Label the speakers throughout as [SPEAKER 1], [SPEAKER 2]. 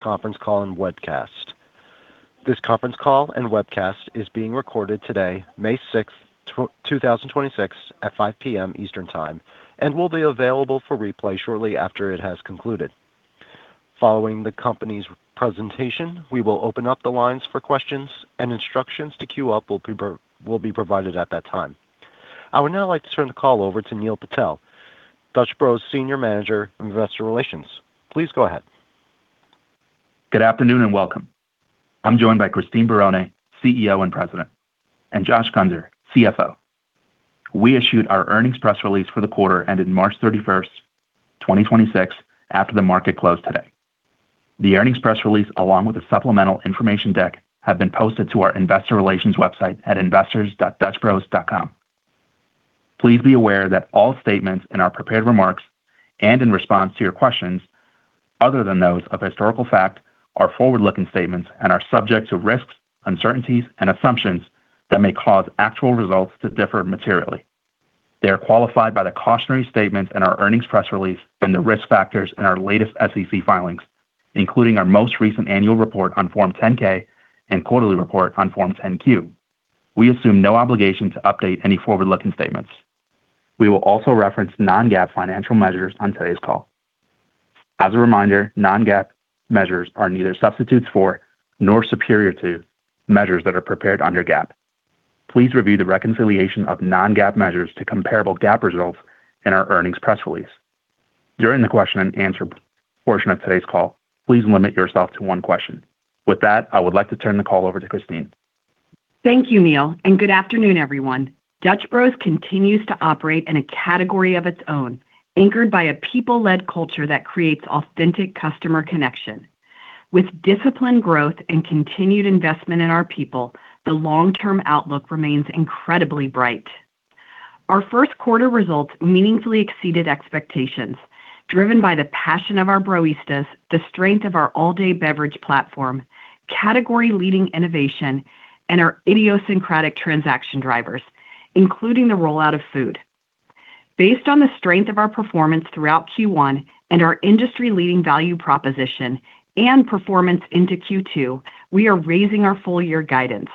[SPEAKER 1] Conference call and webcast. This conference call and webcast is being recorded today, May 6th, 2026, at 5:00 P.M. Eastern Time and will be available for replay shortly after it has concluded. Following the company's presentation, we will open up the lines for questions and instructions to queue up will be provided at that time. I would now like to turn the call over to Neil Patel, Dutch Bros Senior Manager of Investor Relations. Please go ahead.
[SPEAKER 2] Good afternoon, and welcome. I'm joined by Christine Barone, CEO and President, and Josh Guenser, CFO. We issued our earnings press release for the quarter ending March 31st, 2026, after the market closed today. The earnings press release, along with a supplemental information deck, have been posted to our investor relations website at investors.dutchbros.com. Please be aware that all statements in our prepared remarks and in response to your questions, other than those of historical fact, are forward-looking statements and are subject to risks, uncertainties, and assumptions that may cause actual results to differ materially. They are qualified by the cautionary statements in our earnings press release and the risk factors in our latest SEC filings, including our most recent annual report on Form 10-K and quarterly report on Form 10-Q. We assume no obligation to update any forward-looking statements. We will also reference non-GAAP financial measures on today's call. As a reminder, non-GAAP measures are neither substitutes for nor superior to measures that are prepared under GAAP. Please review the reconciliation of non-GAAP measures to comparable GAAP results in our earnings press release. During the question and answer portion of today's call, please limit yourself to one question. With that, I would like to turn the call over to Christine.
[SPEAKER 3] Thank you, Neil. Good afternoon, everyone. Dutch Bros continues to operate in a category of its own, anchored by a people-led culture that creates authentic customer connection. With disciplined growth and continued investment in our people, the long-term outlook remains incredibly bright. Our first quarter results meaningfully exceeded expectations, driven by the passion of our Broistas, the strength of our all-day beverage platform, category-leading innovation, and our idiosyncratic transaction drivers, including the rollout of food. Based on the strength of our performance throughout Q1 and our industry-leading value proposition and performance into Q2, we are raising our full year guidance.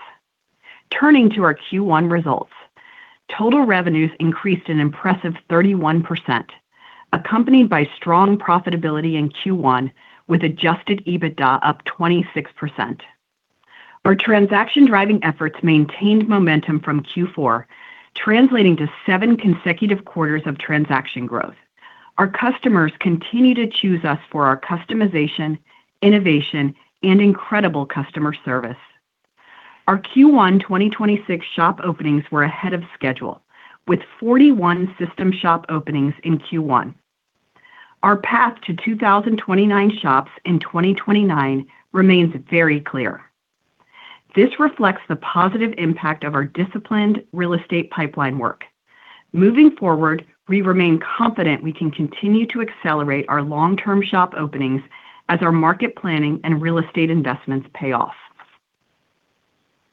[SPEAKER 3] Turning to our Q1 results, total revenues increased an impressive 31%, accompanied by strong profitability in Q1, with adjusted EBITDA up 26%. Our transaction-driving efforts maintained momentum from Q4, translating to seven consecutive quarters of transaction growth. Our customers continue to choose us for our customization, innovation, and incredible customer service. Our Q1 2026 shop openings were ahead of schedule, with 41 system shop openings in Q1. Our path to 2,029 shops in 2029 remains very clear. This reflects the positive impact of our disciplined real estate pipeline work. Moving forward, we remain confident we can continue to accelerate our long-term shop openings as our market planning and real estate investments pay off.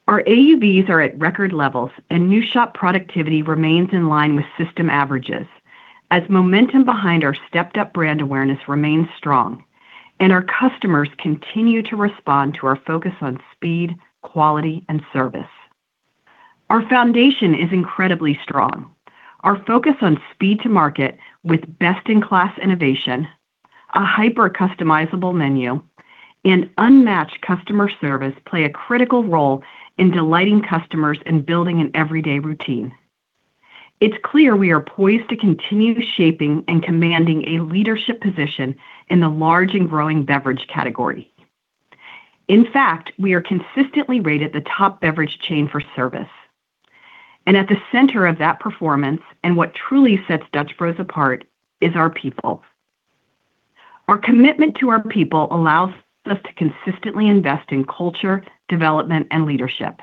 [SPEAKER 3] Our AUVs are at record levels, and new shop productivity remains in line with system averages as momentum behind our stepped-up brand awareness remains strong and our customers continue to respond to our focus on speed, quality, and service. Our foundation is incredibly strong. Our focus on speed to market with best-in-class innovation, a hyper-customizable menu, and unmatched customer service play a critical role in delighting customers and building an everyday routine. It's clear we are poised to continue shaping and commanding a leadership position in the large and growing beverage category. In fact, we are consistently rated the top beverage chain for service. At the center of that performance, and what truly sets Dutch Bros apart, is our people. Our commitment to our people allows us to consistently invest in culture, development, and leadership,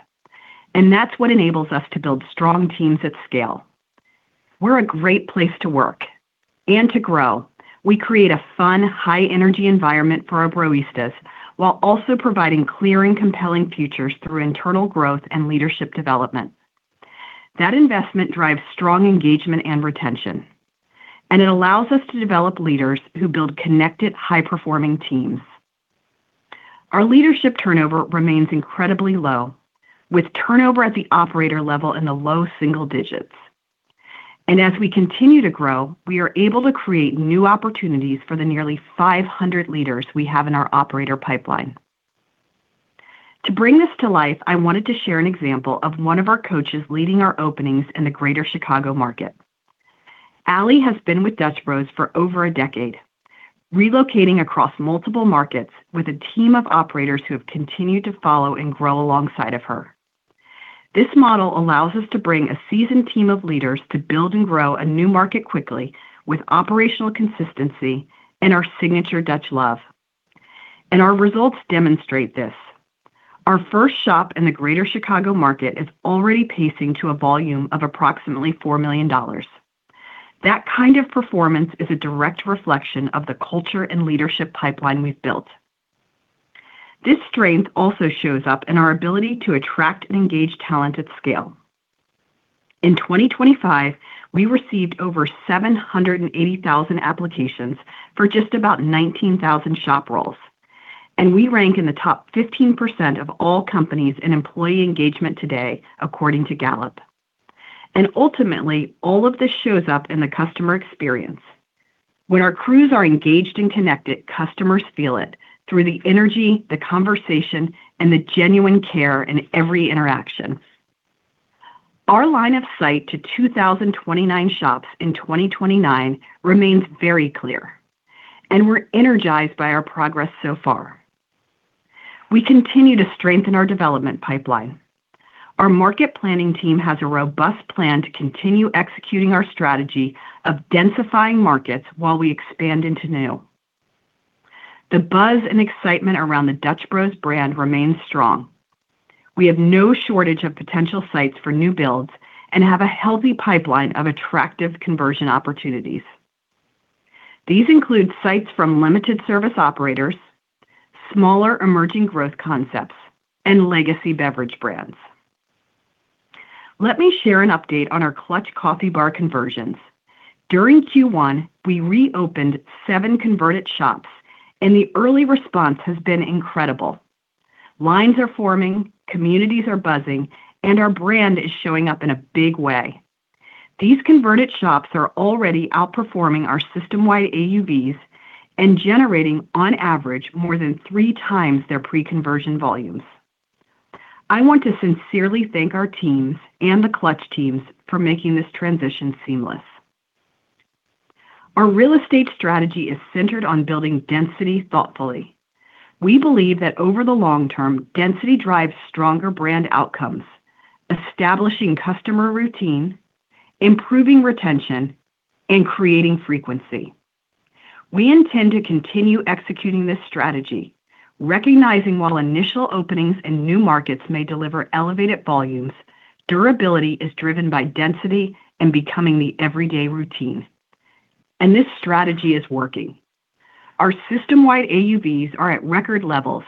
[SPEAKER 3] and that's what enables us to build strong teams at scale. We're a great place to work and to grow. We create a fun, high-energy environment for our Broistas while also providing clear and compelling futures through internal growth and leadership development. That investment drives strong engagement and retention, and it allows us to develop leaders who build connected, high-performing teams. Our leadership turnover remains incredibly low, with turnover at the operator level in the low single digits. As we continue to grow, we are able to create new opportunities for the nearly 500 leaders we have in our operator pipeline. To bring this to life, I wanted to share an example of one of our coaches leading our openings in the greater Chicago market. Ally has been with Dutch Bros for over a decade, relocating across multiple markets with a team of operators who have continued to follow and grow alongside of her. This model allows us to bring a seasoned team of leaders to build and grow a new market quickly with operational consistency and our signature Dutch Luv. Our results demonstrate this. Our first shop in the greater Chicago market is already pacing to a volume of approximately $4 million. That kind of performance is a direct reflection of the culture and leadership pipeline we've built. This strength also shows up in our ability to attract and engage talent at scale. In 2025, we received over 780,000 applications for just about 19,000 shop roles. We rank in the top 15% of all companies in employee engagement today, according to Gallup. Ultimately, all of this shows up in the customer experience. When our crews are engaged and connected, customers feel it through the energy, the conversation, and the genuine care in every interaction. Our line of sight to 2,029 shops in 2029 remains very clear, and we're energized by our progress so far. We continue to strengthen our development pipeline. Our market planning team has a robust plan to continue executing our strategy of densifying markets while we expand into new. The buzz and excitement around the Dutch Bros brand remains strong. We have no shortage of potential sites for new builds and have a healthy pipeline of attractive conversion opportunities. These include sites from limited service operators, smaller emerging growth concepts, and legacy beverage brands. Let me share an update on our Clutch Coffee Bar conversions. During Q1, we reopened seven converted shops, and the early response has been incredible. Lines are forming, communities are buzzing, and our brand is showing up in a big way. These converted shops are already outperforming our system-wide AUVs and generating, on average, more than three times their pre-conversion volumes. I want to sincerely thank our teams and the Clutch teams for making this transition seamless. Our real estate strategy is centered on building density thoughtfully. We believe that over the long term, density drives stronger brand outcomes, establishing customer routine, improving retention, and creating frequency. We intend to continue executing this strategy, recognizing while initial openings in new markets may deliver elevated volumes, durability is driven by density and becoming the everyday routine. This strategy is working. Our system-wide AUVs are at record levels,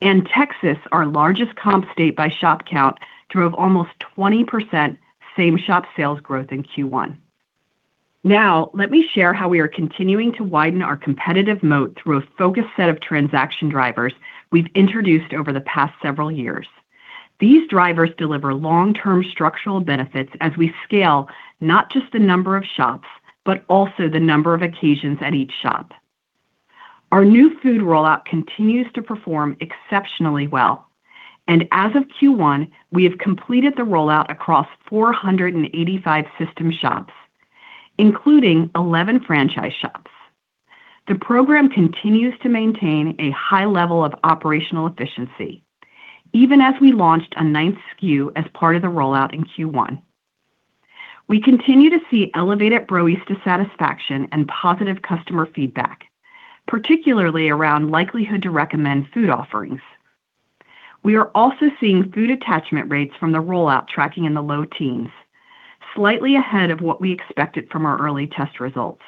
[SPEAKER 3] Texas, our largest comp state by shop count, drove almost 20% same-shop sales growth in Q1. Let me share how we are continuing to widen our competitive moat through a focused set of transaction drivers we've introduced over the past several years. These drivers deliver long-term structural benefits as we scale not just the number of shops, but also the number of occasions at each shop. Our new food rollout continues to perform exceptionally well. As of Q1, we have completed the rollout across 485 system shops, including 11 franchise shops. The program continues to maintain a high level of operational efficiency even as we launched a ninth SKU as part of the rollout in Q1. We continue to see elevated Broistas satisfaction and positive customer feedback, particularly around likelihood to recommend food offerings. We are also seeing food attachment rates from the rollout tracking in the low teens, slightly ahead of what we expected from our early test results.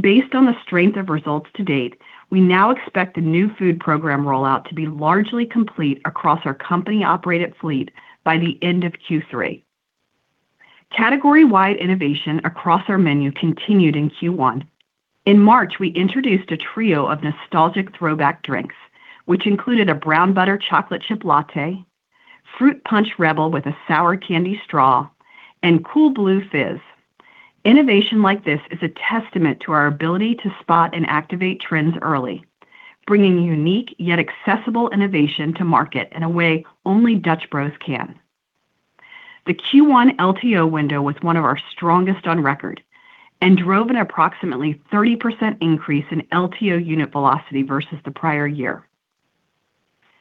[SPEAKER 3] Based on the strength of results to date, we now expect the new food program rollout to be largely complete across our company-operated fleet by the end of Q3. Category-wide innovation across our menu continued in Q1. In March, we introduced a trio of nostalgic throwback drinks, which included a Brown Butter Chocolate Chip Latte, Fruit Punch Rebel with a Sour Candy Straw, and Kool Blue Fizz. Innovation like this is a testament to our ability to spot and activate trends early, bringing unique yet accessible innovation to market in a way only Dutch Bros can. The Q1 LTO window was one of our strongest on record and drove an approximately 30% increase in LTO unit velocity versus the prior year.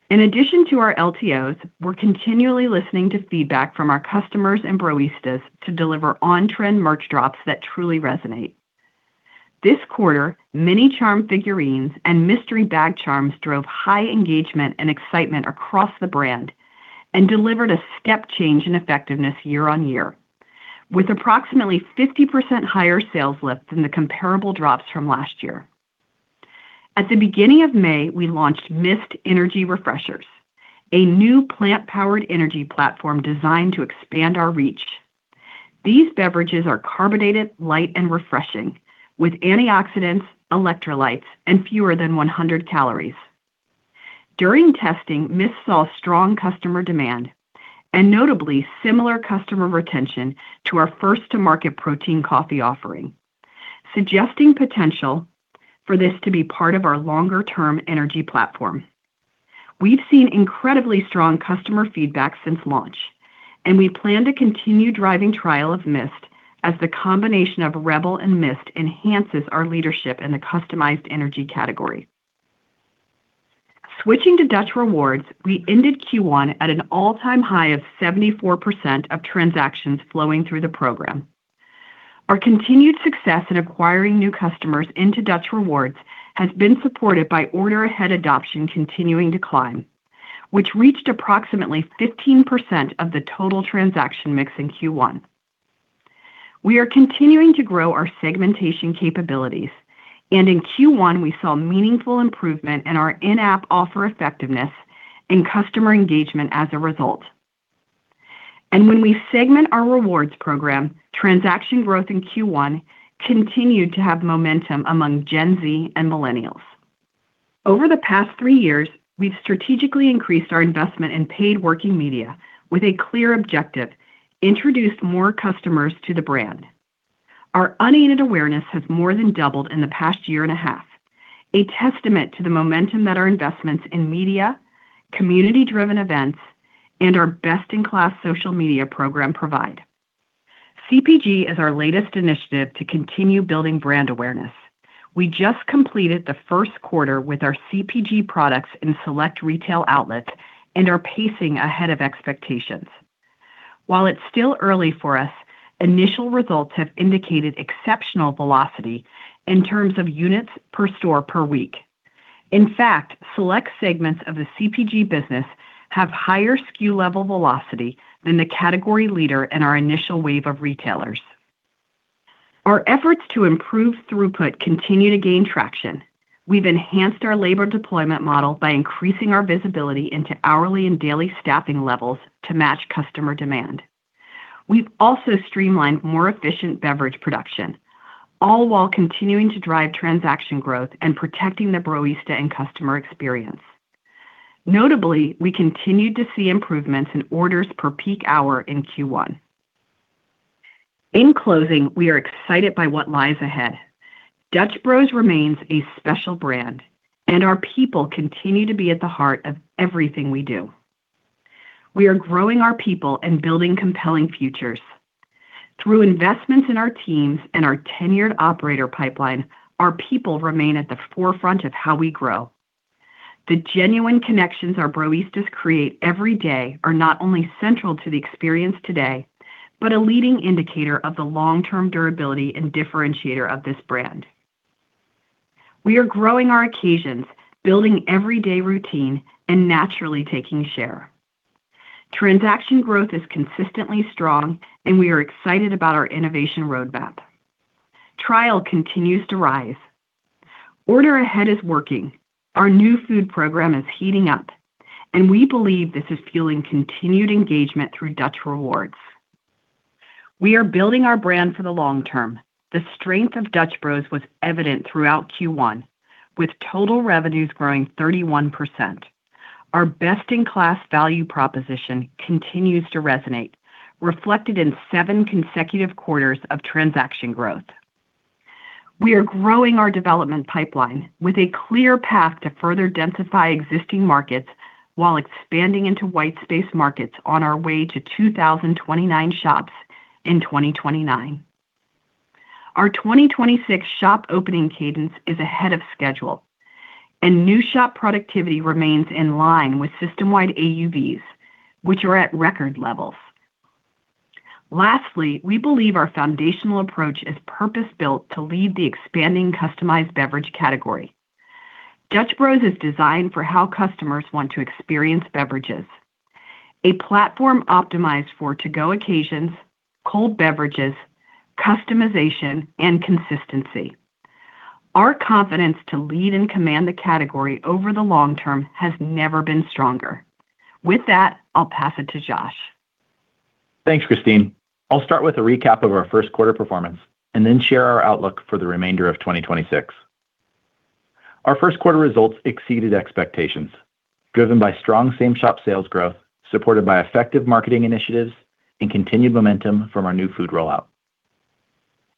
[SPEAKER 3] In addition to our LTOs, we're continually listening to feedback from our customers and Broistas to deliver on-trend merch drops that truly resonate. This quarter, mini charm figurines and mystery bag charms drove high engagement and excitement across the brand and delivered a step change in effectiveness year-on-year, with approximately 50% higher sales lift than the comparable drops from last year. At the beginning of May, we launched Myst Energy Refreshers, a new plant-powered energy platform designed to expand our reach. These beverages are carbonated, light, and refreshing, with antioxidants, electrolytes, and fewer than 100 calories. During testing, Myst saw strong customer demand and notably similar customer retention to our first to market protein coffee offering, suggesting potential for this to be part of our longer-term energy platform. We've seen incredibly strong customer feedback since launch, and we plan to continue driving trial of Myst as the combination of Rebel and Myst enhances our leadership in the customized energy category. Switching to Dutch Rewards, we ended Q1 at an all-time high of 74% of transactions flowing through the program. Our continued success in acquiring new customers into Dutch Rewards has been supported by order ahead adoption continuing to climb, which reached approximately 15% of the total transaction mix in Q1. We are continuing to grow our segmentation capabilities, in Q1 we saw meaningful improvement in our in-app offer effectiveness and customer engagement as a result. When we segment our rewards program, transaction growth in Q1 continued to have momentum among Gen Z and millennials. Over the past three years, we've strategically increased our investment in paid working media with a clear objective: introduce more customers to the brand. Our unaided awareness has more than doubled in the past year and a half, a testament to the momentum that our investments in media, community-driven events, and our best-in-class social media program provide. CPG is our latest initiative to continue building brand awareness. We just completed the first quarter with our CPG products in select retail outlets and are pacing ahead of expectations. While it's still early for us, initial results have indicated exceptional velocity in terms of units per store per week. In fact, select segments of the CPG business have higher SKU-level velocity than the category leader in our initial wave of retailers. Our efforts to improve throughput continue to gain traction. We've enhanced our labor deployment model by increasing our visibility into hourly and daily staffing levels to match customer demand. We've also streamlined more efficient beverage production, all while continuing to drive transaction growth and protecting the Broista and customer experience. Notably, we continued to see improvements in orders per peak hour in Q1. In closing, we are excited by what lies ahead. Dutch Bros remains a special brand. Our people continue to be at the heart of everything we do. We are growing our people and building compelling futures. Through investments in our teams and our tenured operator pipeline, our people remain at the forefront of how we grow. The genuine connections our Broistas create every day are not only central to the experience today, but a leading indicator of the long-term durability and differentiator of this brand. We are growing our occasions, building everyday routine, and naturally taking share. Transaction growth is consistently strong. We are excited about our innovation roadmap. Trial continues to rise. Order ahead is working. Our new food program is heating up. We believe this is fueling continued engagement through Dutch Rewards. We are building our brand for the long term. The strength of Dutch Bros was evident throughout Q1, with total revenues growing 31%. Our best-in-class value proposition continues to resonate, reflected in seven consecutive quarters of transaction growth. We are growing our development pipeline with a clear path to further densify existing markets while expanding into white space markets on our way to 2,029 shops in 2029. Our 2026 shop opening cadence is ahead of schedule, and new shop productivity remains in line with system-wide AUVs, which are at record levels. Lastly, we believe our foundational approach is purpose-built to lead the expanding customized beverage category. Dutch Bros is designed for how customers want to experience beverages. A platform optimized for to-go occasions, cold beverages, customization, and consistency. Our confidence to lead and command the category over the long term has never been stronger. With that, I'll pass it to Josh.
[SPEAKER 4] Thanks, Christine. I'll start with a recap of our first quarter performance and then share our outlook for the remainder of 2026. Our first quarter results exceeded expectations, driven by strong same-shop sales growth, supported by effective marketing initiatives and continued momentum from our new food rollout.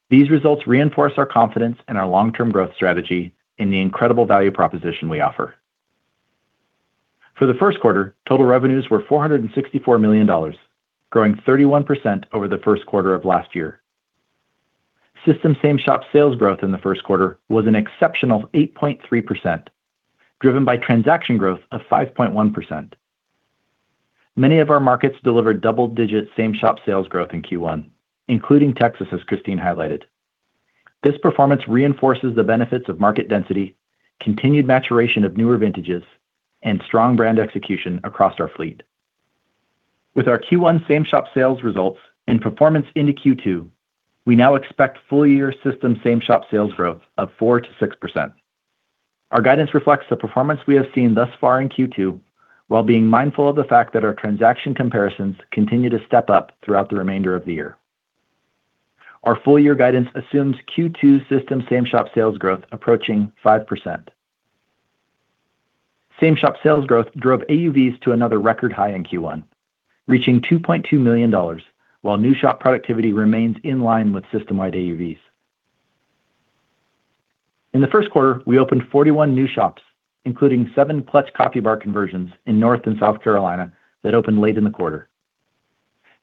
[SPEAKER 4] These results reinforce our confidence in our long-term growth strategy and the incredible value proposition we offer. For the first quarter, total revenues were $464 million, growing 31% over the first quarter of last year. System same-shop sales growth in the first quarter was an exceptional 8.3%, driven by transaction growth of 5.1%. Many of our markets delivered double-digit same-shop sales growth in Q1, including Texas, as Christine highlighted. This performance reinforces the benefits of market density, continued maturation of newer vintages, and strong brand execution across our fleet. With our Q1 same-shop sales results and performance into Q2, we now expect full-year system same-shop sales growth of 4%-6%. Our guidance reflects the performance we have seen thus far in Q2 while being mindful of the fact that our transaction comparisons continue to step up throughout the remainder of the year. Our full year guidance assumes Q2 system same-shop sales growth approaching 5%. Same-shop sales growth drove AUVs to another record high in Q1, reaching $2.2 million, while new shop productivity remains in line with system-wide AUVs. In the first quarter, we opened 41 new shops, including seven Clutch Coffee Bar conversions in North and South Carolina that opened late in the quarter.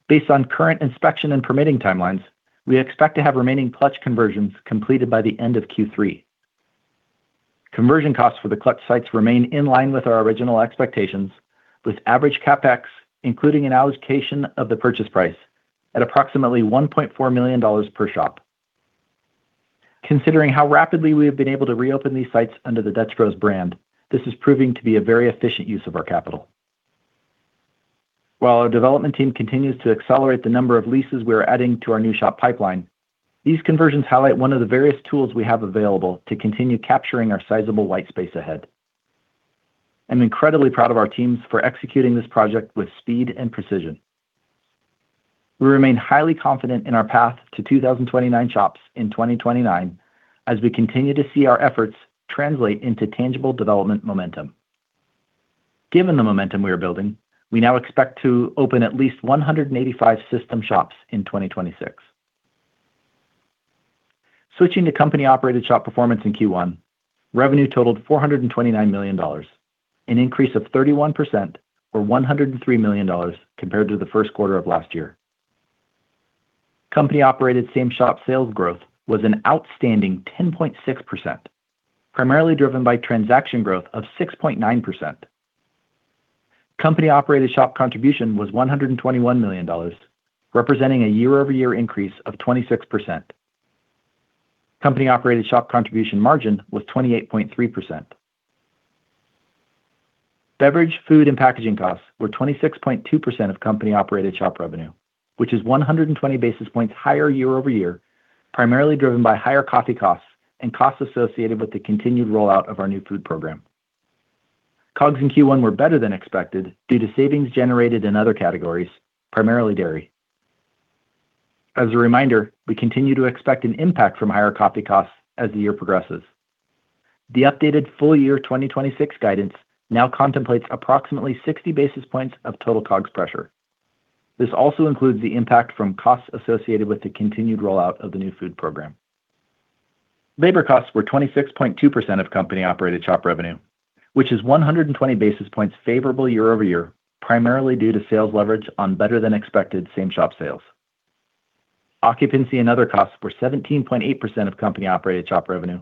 [SPEAKER 4] Based on current inspection and permitting timelines, we expect to have remaining Clutch conversions completed by the end of Q3. Conversion costs for the Clutch sites remain in line with our original expectations, with average CapEx, including an allocation of the purchase price at approximately $1.4 million per shop. Considering how rapidly we have been able to reopen these sites under the Dutch Bros brand, this is proving to be a very efficient use of our capital. While our development team continues to accelerate the number of leases we are adding to our new shop pipeline, these conversions highlight one of the various tools we have available to continue capturing our sizable white space ahead. I'm incredibly proud of our teams for executing this project with speed and precision. We remain highly confident in our path to 2,029 shops in 2029 as we continue to see our efforts translate into tangible development momentum. Given the momentum we are building, we now expect to open at least 185 system shops in 2026. Switching to company-operated shop performance in Q1, revenue totaled $429 million, an increase of 31% or $103 million compared to the first quarter of last year. Company-operated same shop sales growth was an outstanding 10.6%, primarily driven by transaction growth of 6.9%. Company-operated shop contribution was $121 million, representing a year-over-year increase of 26%. Company-operated shop contribution margin was 28.3%. Beverage, food, and packaging costs were 26.2% of company-operated shop revenue, which is 120 basis points higher year-over-year, primarily driven by higher coffee costs and costs associated with the continued rollout of our new food program. COGS in Q1 were better than expected due to savings generated in other categories, primarily dairy. As a reminder, we continue to expect an impact from higher coffee costs as the year progresses. The updated full year 2026 guidance now contemplates approximately 60 basis points of total COGS pressure. This also includes the impact from costs associated with the continued rollout of the new food program. Labor costs were 26.2% of company-operated shop revenue, which is 120 basis points favorable year-over-year, primarily due to sales leverage on better-than-expected same shop sales. Occupancy and other costs were 17.8% of company-operated shop revenue,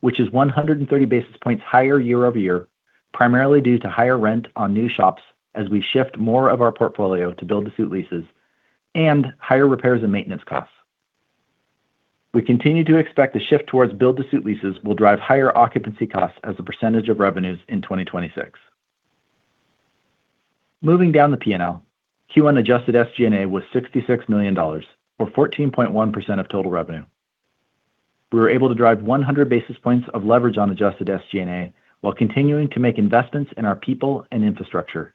[SPEAKER 4] which is 130 basis points higher year-over-year, primarily due to higher rent on new shops as we shift more of our portfolio to build-to-suit leases and higher repairs and maintenance costs. We continue to expect the shift towards build-to-suit leases will drive higher occupancy costs as a percentage of revenues in 2026. Moving down the P&L, Q1 adjusted SG&A was $66 million, or 14.1% of total revenue. We were able to drive 100 basis points of leverage on adjusted SG&A while continuing to make investments in our people and infrastructure.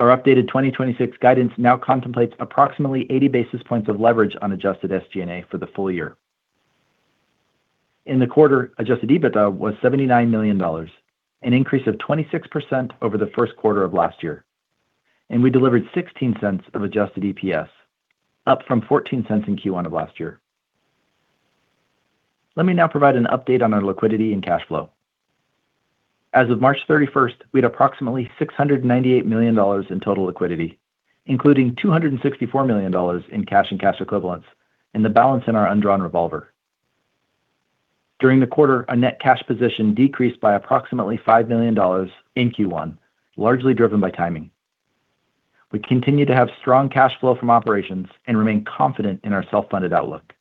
[SPEAKER 4] Our updated 2026 guidance now contemplates approximately 80 basis points of leverage on adjusted SG&A for the full year. In the quarter, adjusted EBITDA was $79 million, an increase of 26% over the first quarter of last year, and we delivered $0.16 of adjusted EPS, up from $0.14 in Q1 of last year. Let me now provide an update on our liquidity and cash flow. As of March 31st, we had approximately $698 million in total liquidity, including $264 million in cash and cash equivalents and the balance in our undrawn revolver. During the quarter, our net cash position decreased by approximately $5 million in Q1, largely driven by timing. We continue to have strong cash flow from operations and remain confident in our self-funded outlook.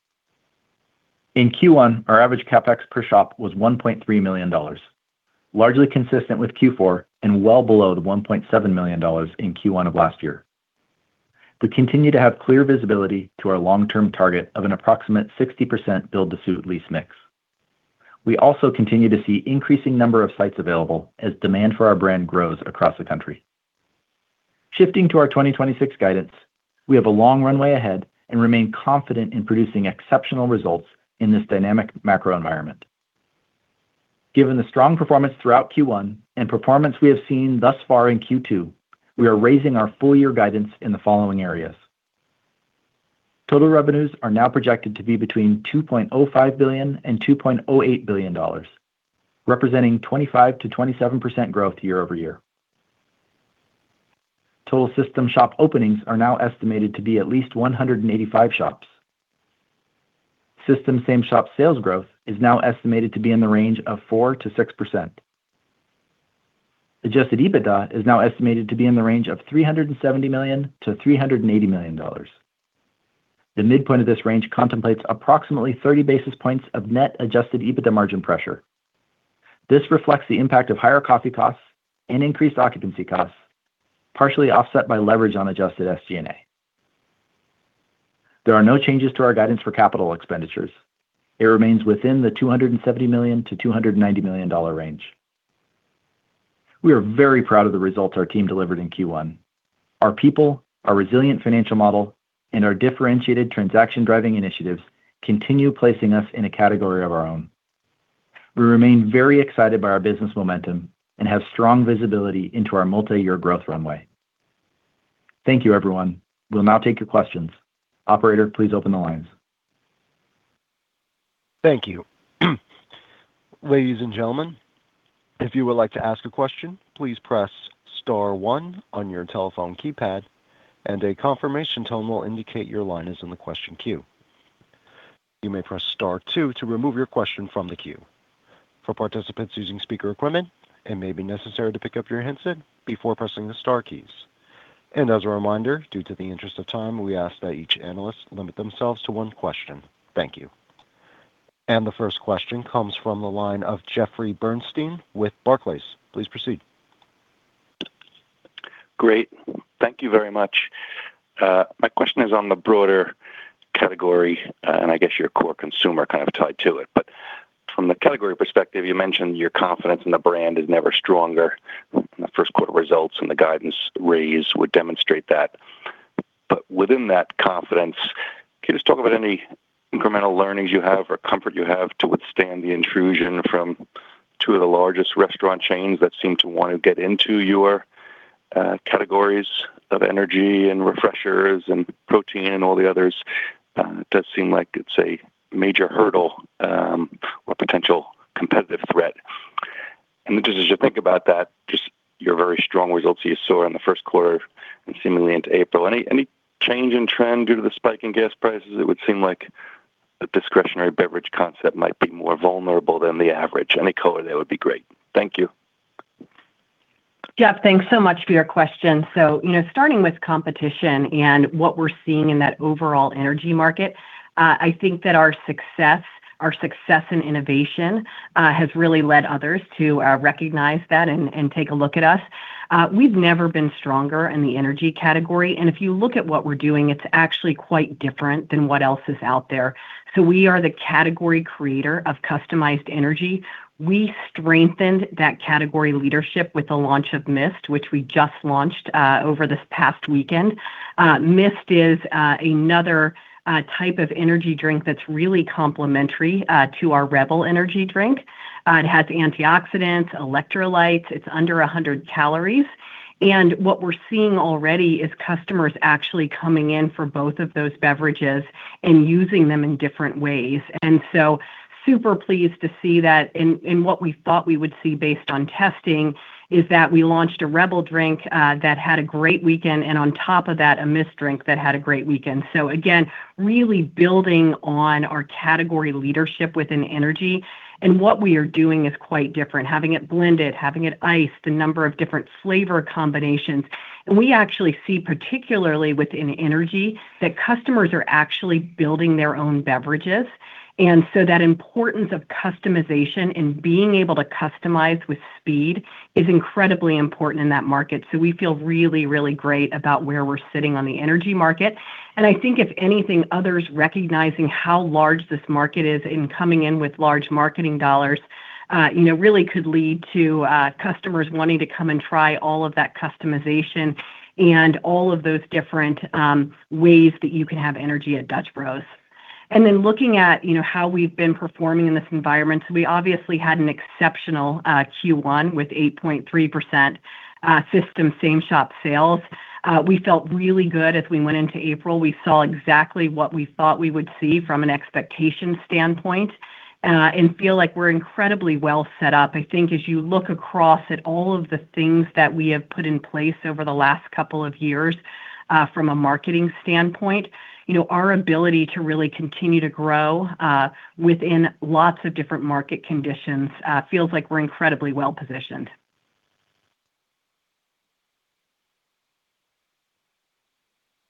[SPEAKER 4] In Q1, our average CapEx per shop was $1.3 million, largely consistent with Q4 and well below the $1.7 million in Q1 of last year. We continue to have clear visibility to our long-term target of an approximate 60% build-to-suit lease mix. We also continue to see increasing number of sites available as demand for our brand grows across the country. Shifting to our 2026 guidance, we have a long runway ahead and remain confident in producing exceptional results in this dynamic macro environment. Given the strong performance throughout Q1 and performance we have seen thus far in Q2, we are raising our full year guidance in the following areas. Total revenues are now projected to be between $2.05 billion and $2.08 billion, representing 25%-27% growth year-over-year. Total system shop openings are now estimated to be at least 185 shops. System same shop sales growth is now estimated to be in the range of 4%-6%. Adjusted EBITDA is now estimated to be in the range of $370 million-$380 million. The midpoint of this range contemplates approximately 30 basis points of net adjusted EBITDA margin pressure. This reflects the impact of higher coffee costs and increased occupancy costs, partially offset by leverage on adjusted SG&A. There are no changes to our guidance for capital expenditures. It remains within the $270 million-$290 million range. We are very proud of the results our team delivered in Q1. Our people, our resilient financial model, and our differentiated transaction-driving initiatives continue placing us in a category of our own. We remain very excited by our business momentum and have strong visibility into our multiyear growth runway. Thank you, everyone. We'll now take your questions. Operator, please open the lines.
[SPEAKER 1] Thank you. Ladies and gentlemen, if you would like to ask a question, please press star one on your telephone keypad and a confirmation tone will indicate your line is in the question queue. You may press star two to remove your question from the queue. For participants using speaker equipment, it may be necessary to pick up your handset before pressing the star keys. As a reminder, due to the interest of time, we ask that each analyst limit themselves to one question. Thank you. The first question comes from the line of Jeffrey Bernstein with Barclays. Please proceed.
[SPEAKER 5] Great. Thank you very much. My question is on the broader category, and I guess your core consumer kind of tied to it. From the category perspective, you mentioned your confidence in the brand is never stronger, the first quarter results and the guidance raised would demonstrate that. Within that confidence, can you just talk about any incremental learnings you have or comfort you have to withstand the intrusion from two of the largest restaurant chains that seem to want to get into your categories of energy and refreshers and protein and all the others? It does seem like it's a major hurdle, or potential competitive threat. As you think about that, just your very strong results you saw in the first quarter and seemingly into April. Any change in trend due to the spike in gas prices? It would seem like the discretionary beverage concept might be more vulnerable than the average. Any color there would be great. Thank you.
[SPEAKER 3] Jeff, thanks so much for your question. You know, starting with competition and what we're seeing in that overall energy market, I think that our success and innovation has really led others to recognize that and take a look at us. We've never been stronger in the energy category. If you look at what we're doing, it's actually quite different than what else is out there. We are the category creator of customized energy. We strengthened that category leadership with the launch of Myst, which we just launched over this past weekend. Myst is another type of energy drink that's really complementary to our Rebel energy drink. It has antioxidants, electrolytes, it's under 100 calories. What we're seeing already is customers actually coming in for both of those beverages and using them in different ways. Super pleased to see that. What we thought we would see based on testing is that we launched a Rebel drink, that had a great weekend, and on top of that, a Myst drink that had a great weekend. Again, really building on our category leadership within energy. What we are doing is quite different, having it blended, having it iced, the number of different flavor combinations. We actually see, particularly within energy, that customers are actually building their own beverages. That importance of customization and being able to customize with speed is incredibly important in that market. We feel really, really great about where we're sitting on the energy market. I think if anything others recognizing how large this market is and coming in with large marketing dollars, you know, really could lead to customers wanting to come and try all of that customization and all of those different ways that you can have energy at Dutch Bros. Then looking at, you know, how we've been performing in this environment, we obviously had an exceptional Q1 with 8.3% system same shop sales. We felt really good as we went into April. We saw exactly what we thought we would see from an expectation standpoint and feel like we're incredibly well set up. I think as you look across at all of the things that we have put in place over the last couple of years, from a marketing standpoint, you know, our ability to really continue to grow, within lots of different market conditions, feels like we're incredibly well positioned.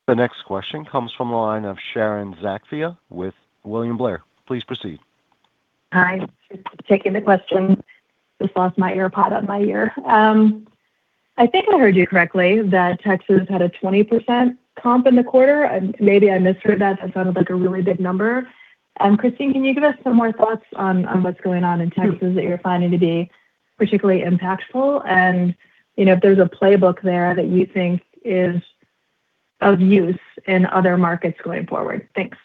[SPEAKER 1] The next question comes from the line of Sharon Zackfia with William Blair. Please proceed.
[SPEAKER 6] Hi. Taking the question. Just lost my AirPod out of my ear. I think I heard you correctly that Texas had a 20% comp in the quarter. Maybe I misheard that. That sounded like a really big number. Christine, can you give us some more thoughts on what's going on in Texas that you're finding to be particularly impactful and, you know, if there's a playbook there that you think is of use in other markets going forward? Thanks.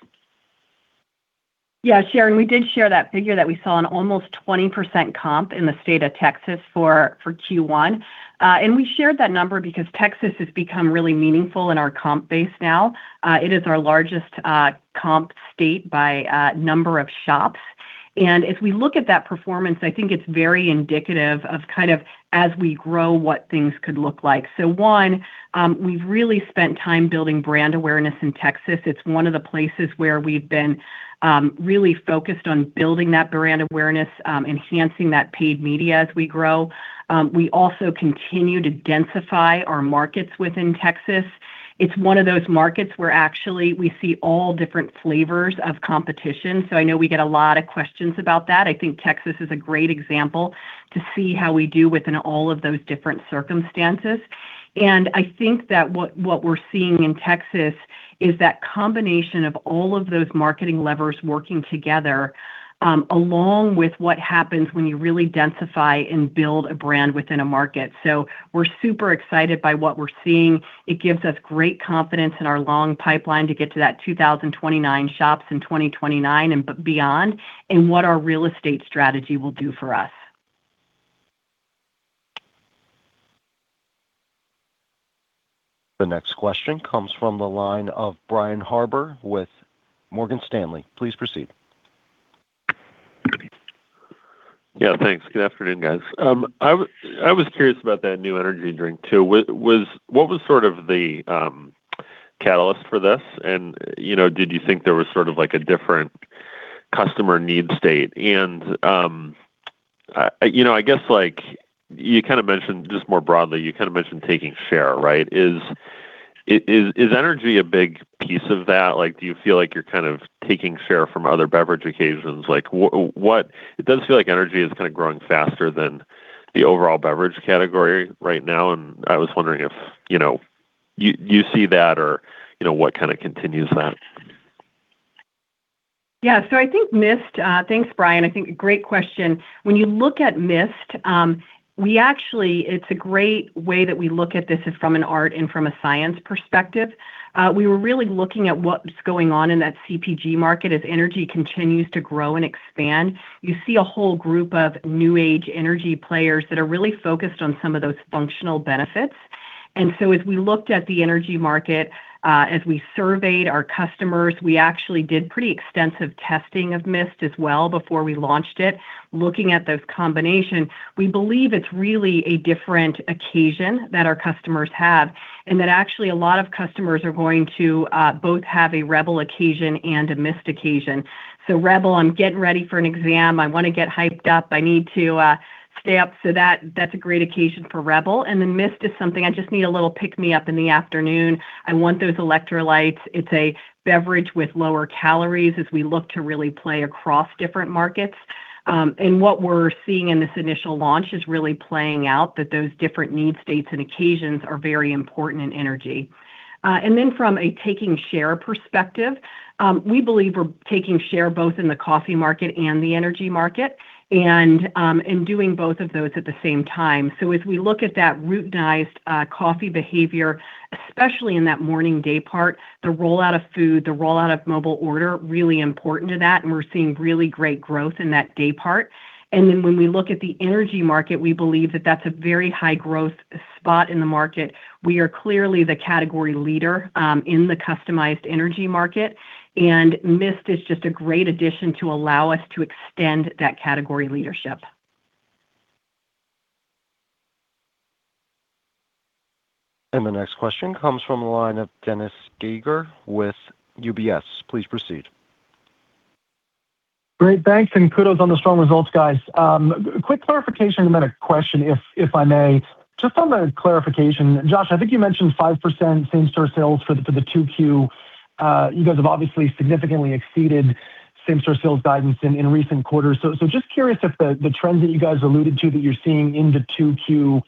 [SPEAKER 3] Sharon, we did share that figure that we saw an almost 20% comp in the state of Texas for Q1. We shared that number because Texas has become really meaningful in our comp base now. It is our largest comp state by number of shops. As we look at that performance, I think it's very indicative of kind of as we grow what things could look like. One, we've really spent time building brand awareness in Texas. It's one of the places where we've been really focused on building that brand awareness, enhancing that paid media as we grow. We also continue to densify our markets within Texas. It's one of those markets where actually we see all different flavors of competition. I know we get a lot of questions about that. I think Texas is a great example to see how we do within all of those different circumstances. I think that what we're seeing in Texas is that combination of all of those marketing levers working together, along with what happens when you really densify and build a brand within a market. We're super excited by what we're seeing. It gives us great confidence in our long pipeline to get to that 2029 shops in 2029 and beyond, and what our real estate strategy will do for us.
[SPEAKER 1] The next question comes from the line of Brian Harbour with Morgan Stanley. Please proceed.
[SPEAKER 7] Thanks. Good afternoon, guys. I was curious about that new energy drink too. What was sort of the catalyst for this, you know, did you think there was sort of like a different customer need state? You know, I guess, like, you kinda mentioned just more broadly, you kinda mentioned taking share, right? Is energy a big piece of that? Like, do you feel like you're kind of taking share from other beverage occasions? It does feel like energy is kinda growing faster than the overall beverage category right now, and I was wondering if, you know, you see that or, you know, what kinda continues that?
[SPEAKER 3] I think Myst, thanks, Brian. I think great question. When you look at Myst, we actually, it's a great way that we look at this is from an art and from a science perspective. We were really looking at what's going on in that CPG market as energy continues to grow and expand. You see a whole group of new age energy players that are really focused on some of those functional benefits. As we looked at the energy market, as we surveyed our customers, we actually did pretty extensive testing of Myst as well before we launched it, looking at those combination. We believe it's really a different occasion that our customers have, and that actually a lot of customers are going to both have a Rebel occasion and a Myst occasion. Rebel, I'm getting ready for an exam, I want to get hyped up, I need to stay up, that's a great occasion for Rebel. Myst is something, I just need a little pick me up in the afternoon. I want those electrolytes. It's a beverage with lower calories as we look to really play across different markets. What we're seeing in this initial launch is really playing out that those different need states and occasions are very important in energy. From a taking share perspective, we believe we're taking share both in the coffee market and the energy market, and doing both of those at the same time. As we look at that routinized coffee behavior, especially in that morning day part, the rollout of food, the rollout of mobile order, really important to that, and we're seeing really great growth in that day part. When we look at the energy market, we believe that that's a very high growth spot in the market. We are clearly the category leader in the customized energy market. Myst is just a great addition to allow us to extend that category leadership.
[SPEAKER 1] The next question comes from the line of Dennis Geiger with UBS. Please proceed.
[SPEAKER 8] Great. Thanks. Kudos on the strong results, guys. Quick clarification and then a question if I may. Just on the clarification, Josh, I think you mentioned 5% same-store sales for the 2Q. You guys have obviously significantly exceeded same-store sales guidance in recent quarters. Just curious if the trends that you guys alluded to that you're seeing in the 2Q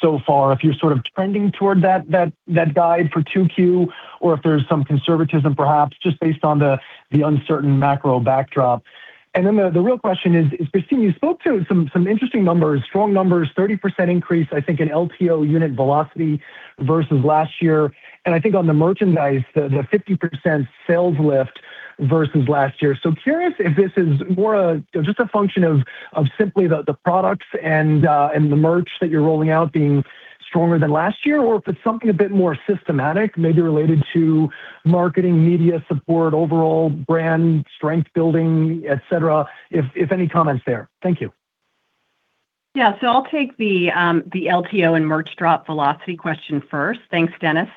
[SPEAKER 8] so far, if you're sort of trending toward that guide for 2Q, or if there's some conservatism perhaps just based on the uncertain macro backdrop. The real question is, Christine, you spoke to some interesting numbers, strong numbers, 30% increase, I think in LTO unit velocity versus last year. I think on the merchandise, the 50% sales lift versus last year. Curious if this is more a just a function of simply the products and the merch that you're rolling out being stronger than last year, or if it's something a bit more systematic, maybe related to marketing, media support, overall brand strength building, et cetera. If any comments there? Thank you.
[SPEAKER 3] Yeah. I'll take the LTO and merch drop velocity question first. Thanks, Dennis.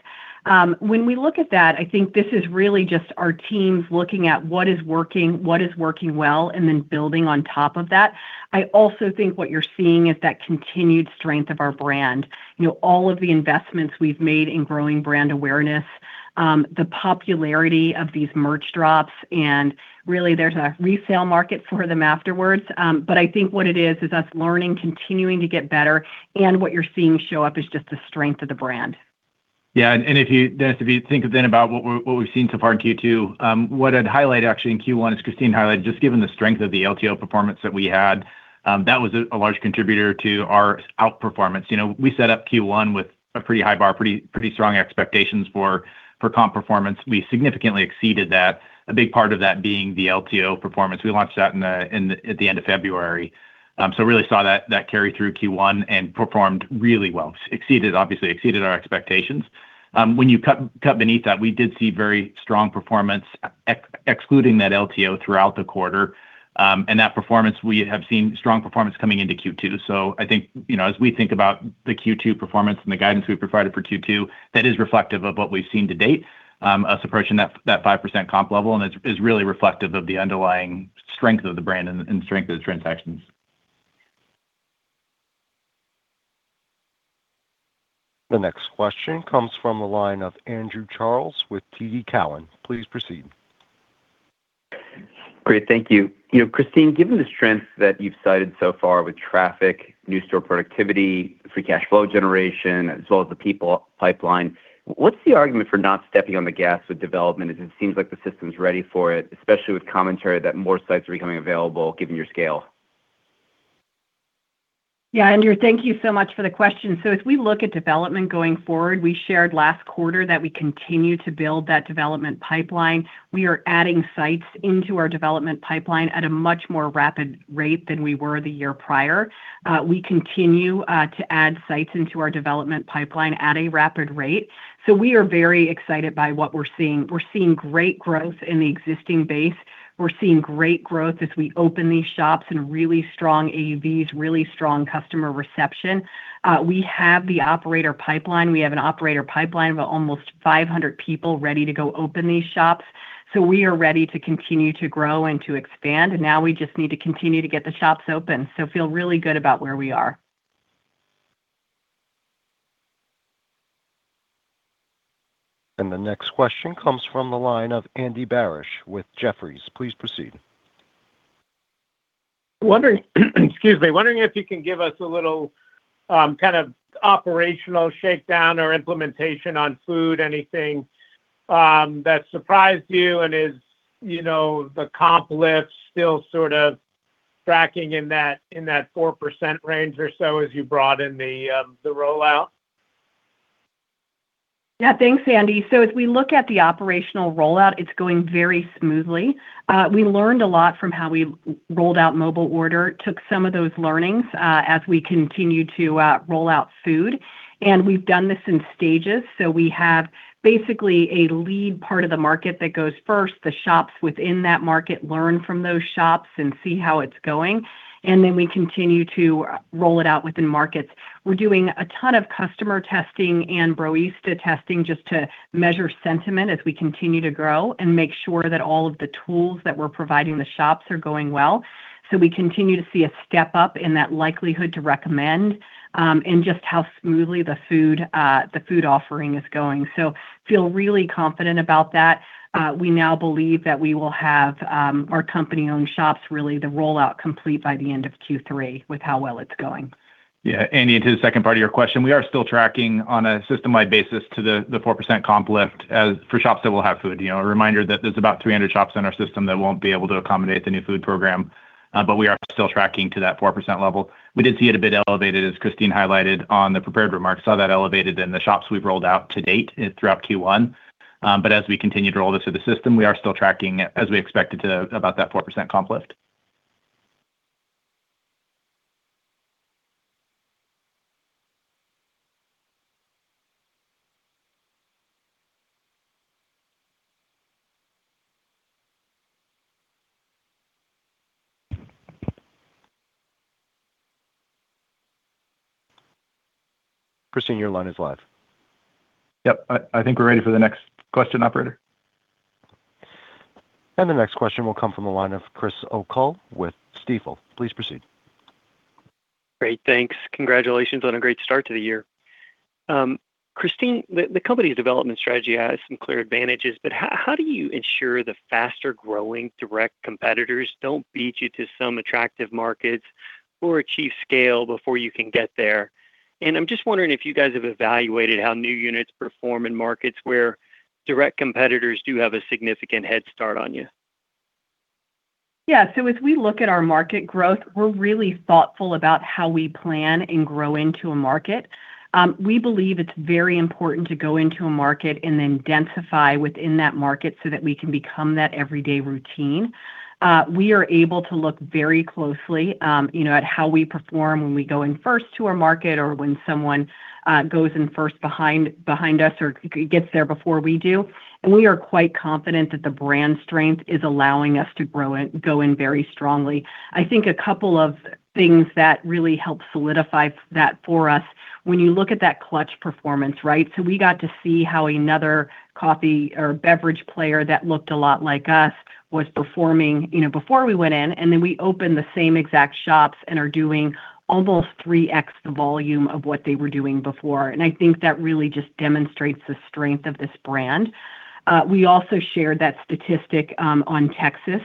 [SPEAKER 3] When we look at that, I think this is really just our teams looking at what is working, what is working well, and then building on top of that. I also think what you're seeing is that continued strength of our brand. You know, all of the investments we've made in growing brand awareness, the popularity of these merch drops, and really there's a resale market for them afterwards. I think what it is us learning, continuing to get better, and what you're seeing show up is just the strength of the brand.
[SPEAKER 4] If you, Dennis, if you think then about what we've seen so far in Q2, what I'd highlight actually in Q1, as Christine highlighted, just given the strength of the LTO performance that we had, that was a large contributor to our outperformance. You know, we set up Q1 with a pretty high bar, pretty strong expectations for comp performance. We significantly exceeded that. A big part of that being the LTO performance. We launched that at the end of February. Really saw that carry through Q1 and performed really well. Obviously exceeded our expectations. When you cut beneath that, we did see very strong performance excluding that LTO throughout the quarter. That performance, we have seen strong performance coming into Q2. I think, you know, as we think about the Q2 performance and the guidance we've provided for Q2, that is reflective of what we've seen to date, us approaching that 5% comp level, and it's really reflective of the underlying strength of the brand and the strength of the transactions.
[SPEAKER 1] The next question comes from the line of Andrew Charles with TD Cowen. Please proceed.
[SPEAKER 9] Great. Thank you. You know, Christine, given the strength that you've cited so far with traffic, new store productivity, free cash flow generation, as well as the people pipeline, what's the argument for not stepping on the gas with development, as it seems like the system's ready for it, especially with commentary that more sites are becoming available given your scale?
[SPEAKER 3] Yeah, Andrew, thank you so much for the question. As we look at development going forward, we shared last quarter that we continue to build that development pipeline. We are adding sites into our development pipeline at a much more rapid rate than we were the year prior. We continue to add sites into our development pipeline at a rapid rate. We are very excited by what we're seeing. We're seeing great growth in the existing base. We're seeing great growth as we open these shops and really strong AUVs, really strong customer reception. We have the operator pipeline. We have an operator pipeline of almost 500 people ready to go open these shops. We are ready to continue to grow and to expand. Now we just need to continue to get the shops open. Feel really good about where we are.
[SPEAKER 1] The next question comes from the line of Andy Barish with Jefferies. Please proceed.
[SPEAKER 10] Wondering excuse me, wondering if you can give us a little kind of operational shakedown or implementation on food. Anything that surprised you and is, you know, the comp lift still sort of tracking in that 4% range or so as you broaden the rollout?
[SPEAKER 3] Yeah, thanks, Andy. As we look at the operational rollout, it's going very smoothly. We learned a lot from how we rolled out mobile order. Took some of those learnings as we continue to roll out food. We've done this in stages. We have basically a lead part of the market that goes first. The shops within that market learn from those shops and see how it's going. We continue to roll it out within markets. We're doing a ton of customer testing and Broistas testing just to measure sentiment as we continue to grow and make sure that all of the tools that we're providing the shops are going well. We continue to see a step up in that likelihood to recommend in just how smoothly the food, the food offering is going. Feel really confident about that. We now believe that we will have our company-owned shops really the rollout complete by the end of Q3 with how well it's going.
[SPEAKER 4] Andy, to the second part of your question, we are still tracking on a system-wide basis to the 4% comp lift as for shops that will have food. You know, a reminder that there's about 300 shops in our system that won't be able to accommodate the new food program. We are still tracking to that 4% level. We did see it a bit elevated, as Christine highlighted on the prepared remarks. Saw that elevated in the shops we've rolled out to date throughout Q1. As we continue to roll this through the system, we are still tracking as we expected to about that 4% comp lift.
[SPEAKER 1] Christine, your line is live.
[SPEAKER 4] Yep. I think we're ready for the next question, operator.
[SPEAKER 1] The next question will come from the line of Chris O'Cull with Stifel. Please proceed.
[SPEAKER 11] Great. Thanks. Congratulations on a great start to the year. Christine, the company development strategy has some clear advantages. How do you ensure the faster growing direct competitors don't beat you to some attractive markets or achieve scale before you can get there? I'm just wondering if you guys have evaluated how new units perform in markets where direct competitors do have a significant head start on you.
[SPEAKER 3] As we look at our market growth, we're really thoughtful about how we plan and grow into a market. We believe it's very important to go into a market and then densify within that market so that we can become that everyday routine. We are able to look very closely, you know, at how we perform when we go in first to a market or when someone goes in first behind us or gets there before we do. We are quite confident that the brand strength is allowing us to go in very strongly. I think a couple of things that really help solidify that for us, when you look at that clutch performance, right? We got to see how another coffee or beverage player that looked a lot like us was performing, you know, before we went in, then we opened the same exact shops and are doing almost 3x the volume of what they were doing before. I think that really just demonstrates the strength of this brand. We also shared that statistic on Texas,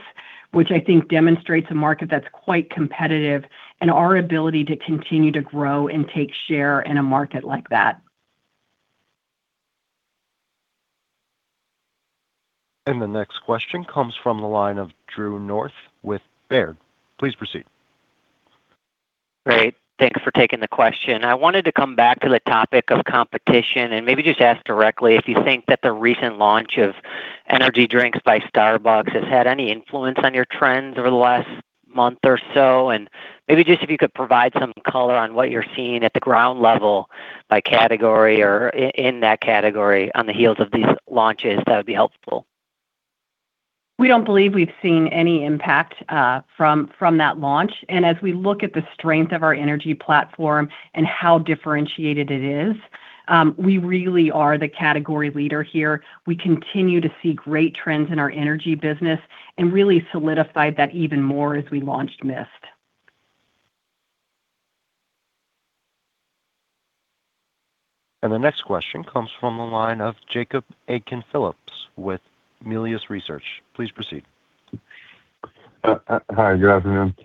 [SPEAKER 3] which I think demonstrates a market that's quite competitive and our ability to continue to grow and take share in a market like that.
[SPEAKER 1] The next question comes from the line of Drew North with Baird. Please proceed.
[SPEAKER 12] Great. Thanks for taking the question. I wanted to come back to the topic of competition and maybe just ask directly if you think that the recent launch of energy drinks by Starbucks has had any influence on your trends over the last month or so. Maybe just if you could provide some color on what you're seeing at the ground level by category or in that category on the heels of these launches, that would be helpful.
[SPEAKER 3] We don't believe we've seen any impact from that launch. As we look at the strength of our energy platform and how differentiated it is, we really are the category leader here. We continue to see great trends in our energy business and really solidified that even more as we launched Myst.
[SPEAKER 1] The next question comes from the line of Jacob Aiken-Phillips with Melius Research. Please proceed.
[SPEAKER 13] Hi, good afternoon.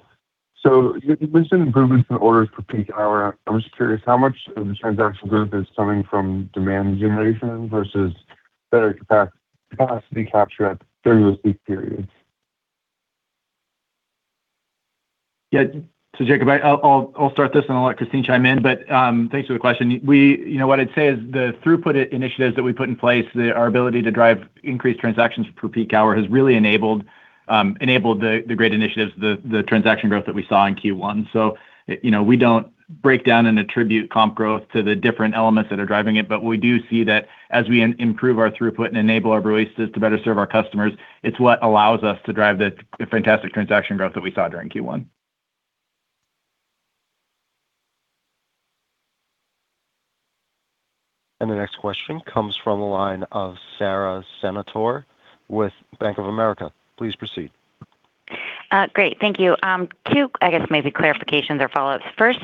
[SPEAKER 13] You've seen improvements in orders for peak hour. I'm just curious how much of this transaction growth is coming from demand generation versus better capacity capture during those peak periods?
[SPEAKER 4] Yeah. Jacob, I'll start this and I'll let Christine chime in. Thanks for the question. You know, what I'd say is the throughput initiatives that we put in place, our ability to drive increased transactions for peak hour has really enabled the great initiatives, the transaction growth that we saw in Q1. You know, we don't break down and attribute comp growth to the different elements that are driving it. We do see that as we improve our throughput and enable our Broistas to better serve our customers, it's what allows us to drive the fantastic transaction growth that we saw during Q1.
[SPEAKER 1] The next question comes from the line of Sara Senatore with Bank of America. Please proceed.
[SPEAKER 14] Great. Thank you. Two, I guess maybe clarifications or follow-ups. First,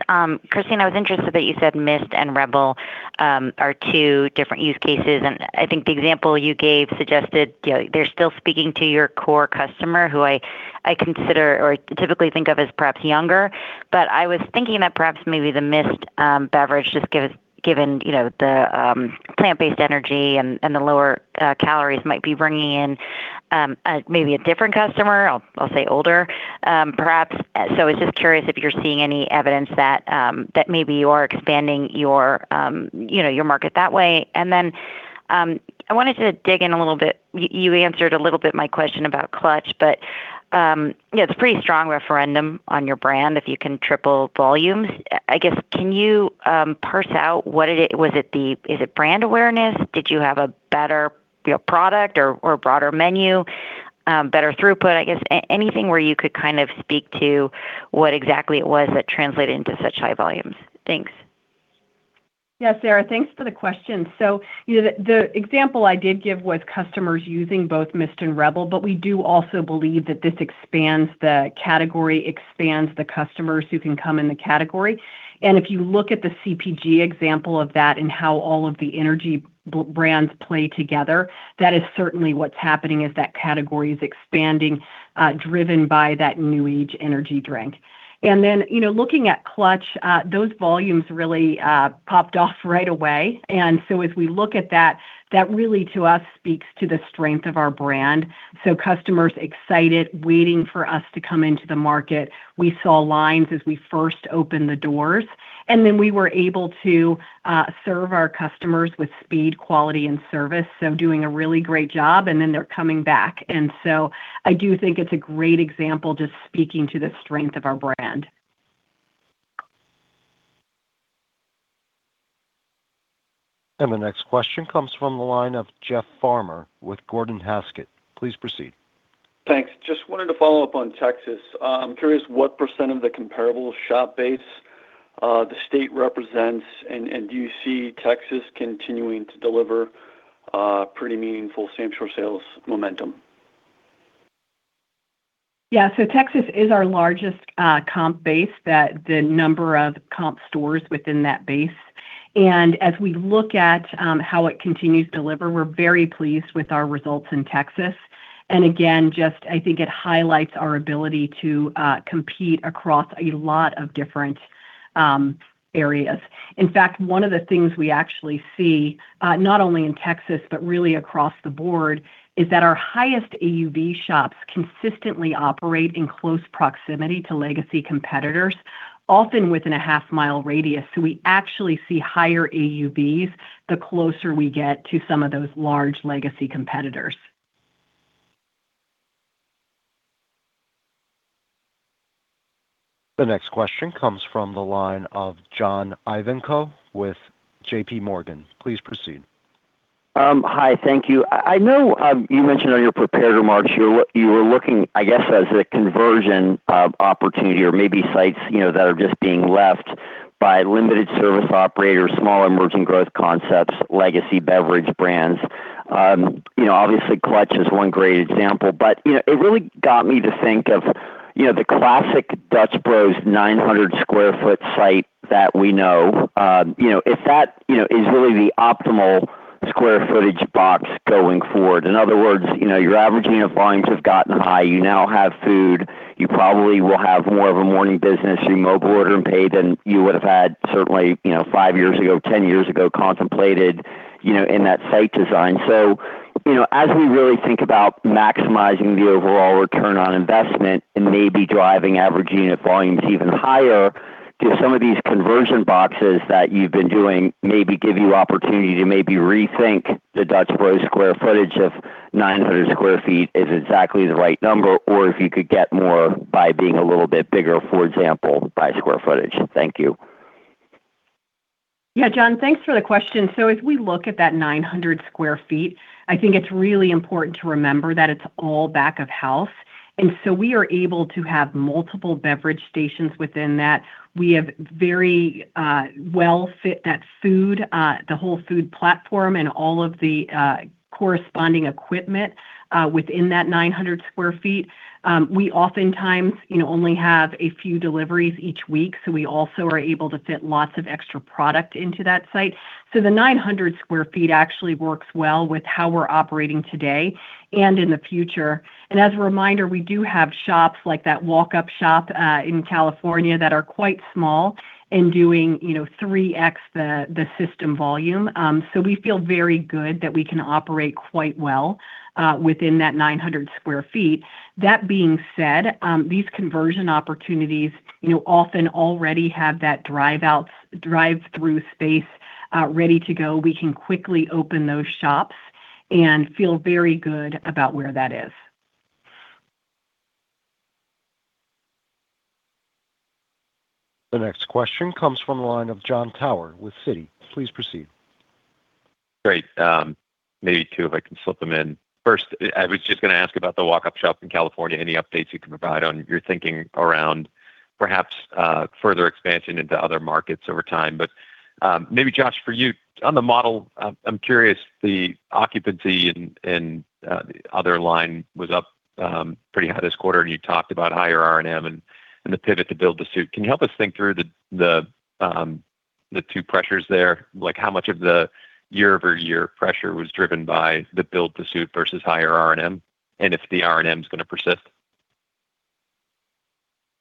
[SPEAKER 14] Christine, I was interested that you said Myst and Rebel are two different use cases, and I think the example you gave suggested, you know, they're still speaking to your core customer who I consider or typically think of as perhaps younger. I was thinking that perhaps maybe the Myst beverage given, you know, the plant-based energy and the lower calories might be bringing in maybe a different customer. I'll say older, perhaps. It's just curious if you're seeing any evidence that maybe you are expanding your, you know, your market that way. I wanted to dig in a little bit. You answered a little bit my question about Clutch. You know, it's a pretty strong referendum on your brand if you can triple volumes. I guess, can you parse out what it was? Is it brand awareness? Did you have a better, you know, product or broader menu, better throughput? I guess anything where you could kind of speak to what exactly it was that translated into such high volumes. Thanks.
[SPEAKER 3] Sara, thanks for the question. You know, the example I did give was customers using both Myst and Rebel, we do also believe that this expands the category, expands the customers who can come in the category. If you look at the CPG example of that and how all of the energy brands play together, that is certainly what's happening, is that category is expanding, driven by that new age energy drink. You know, looking at Clutch, those volumes really popped off right away. As we look at that really to us speaks to the strength of our brand. Customers excited waiting for us to come into the market. We saw lines as we first opened the doors, we were able to serve our customers with speed, quality and service. Doing a really great job, and then they're coming back. I do think it's a great example just speaking to the strength of our brand.
[SPEAKER 1] The next question comes from the line of Jeff Farmer with Gordon Haskett. Please proceed.
[SPEAKER 15] Thanks. Just wanted to follow up on Texas. I'm curious what percent of the comparable shop base, the state represents, and do you see Texas continuing to deliver, pretty meaningful same-store sales momentum?
[SPEAKER 3] Texas is our largest comp base that the number of comp stores within that base. As we look at how it continues to deliver, we're very pleased with our results in Texas. Again, I think it highlights our ability to compete across a lot of different areas. In fact, one of the things we actually see, not only in Texas but really across the board, is that our highest AUV shops consistently operate in close proximity to legacy competitors, often within a half mile radius. We actually see higher AUVs the closer we get to some of those large legacy competitors.
[SPEAKER 1] The next question comes from the line of John Ivankoe with JPMorgan. Please proceed.
[SPEAKER 16] Hi. Thank you. I know, you mentioned on your prepared remarks you were looking, I guess, as a conversion opportunity or maybe sites, you know, that are just being left by limited service operators, small emerging growth concepts, legacy beverage brands. Obviously, Clutch is one great example, but, you know, it really got me to think of, you know, the classic Dutch Bros 900 sq ft site that we know. You know, if that, you know, is really the optimal square footage box going forward. In other words, you know, your average unit volumes have gotten high. You now have food. You probably will have more of a morning business through mobile order and pay than you would have had certainly, you know, five years ago, 10 years ago contemplated, you know, in that site design. You know, as we really think about maximizing the overall return on investment and maybe driving average unit volumes even higher, do some of these conversion boxes that you've been doing maybe give you opportunity to maybe rethink the Dutch Bros square footage of 900 sq ft is exactly the right number, or if you could get more by being a little bit bigger, for example, by square footage? Thank you.
[SPEAKER 3] Yeah. John, thanks for the question. As we look at that 900 sq ft, I think it's really important to remember that it's all back of house. We are able to have multiple beverage stations within that. We have very well fit that food, the whole food platform and all of the corresponding equipment within that 900 sq ft. We oftentimes, you know, only have a few deliveries each week, we also are able to fit lots of extra product into that site. The 900 sq ft actually works well with how we're operating today and in the future. As a reminder, we do have shops like that walk-up shop in California that are quite small and doing, you know, 3x the system volume. We feel very good that we can operate quite well within that 900 sq ft. That being said, these conversion opportunities, you know, often already have that drive-through space ready to go. We can quickly open those shops and feel very good about where that is.
[SPEAKER 1] The next question comes from the line of Jon Tower with Citi. Please proceed.
[SPEAKER 17] Great. Maybe two if I can slip them in. First, I was just going to ask about the walk-up shop in California. Any updates you can provide on your thinking around perhaps further expansion into other markets over time? Maybe Josh, for you, on the model, I'm curious, the occupancy and the other line was up pretty high this quarter, and you talked about higher R&M and the pivot to build-to-suit. Can you help us think through the two pressures there? Like, how much of the year-over-year pressure was driven by the build-to-suit versus higher R&M, and if the R&M is going to persist?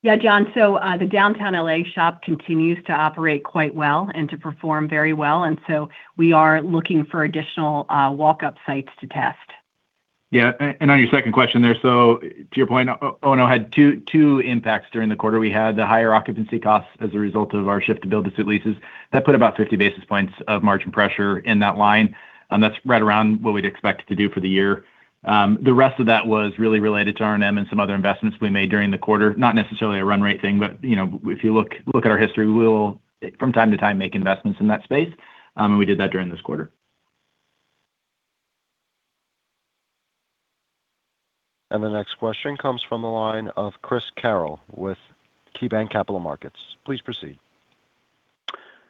[SPEAKER 3] Yeah, Jon. The downtown L.A. shop continues to operate quite well and to perform very well. We are looking for additional walk-up sites to test.
[SPEAKER 4] Yeah. On your second question there, to your point, only had two impacts during the quarter. We had the higher occupancy costs as a result of our shift to build-to-suit leases. That put about 50 basis points of margin pressure in that line. That's right around what we'd expect to do for the year. The rest of that was really related to R&M and some other investments we made during the quarter. Not necessarily a run rate thing, but, you know, if you look at our history, we will, from time to time, make investments in that space. And we did that during this quarter.
[SPEAKER 1] The next question comes from the line of Chris Carril with KeyBanc Capital Markets. Please proceed.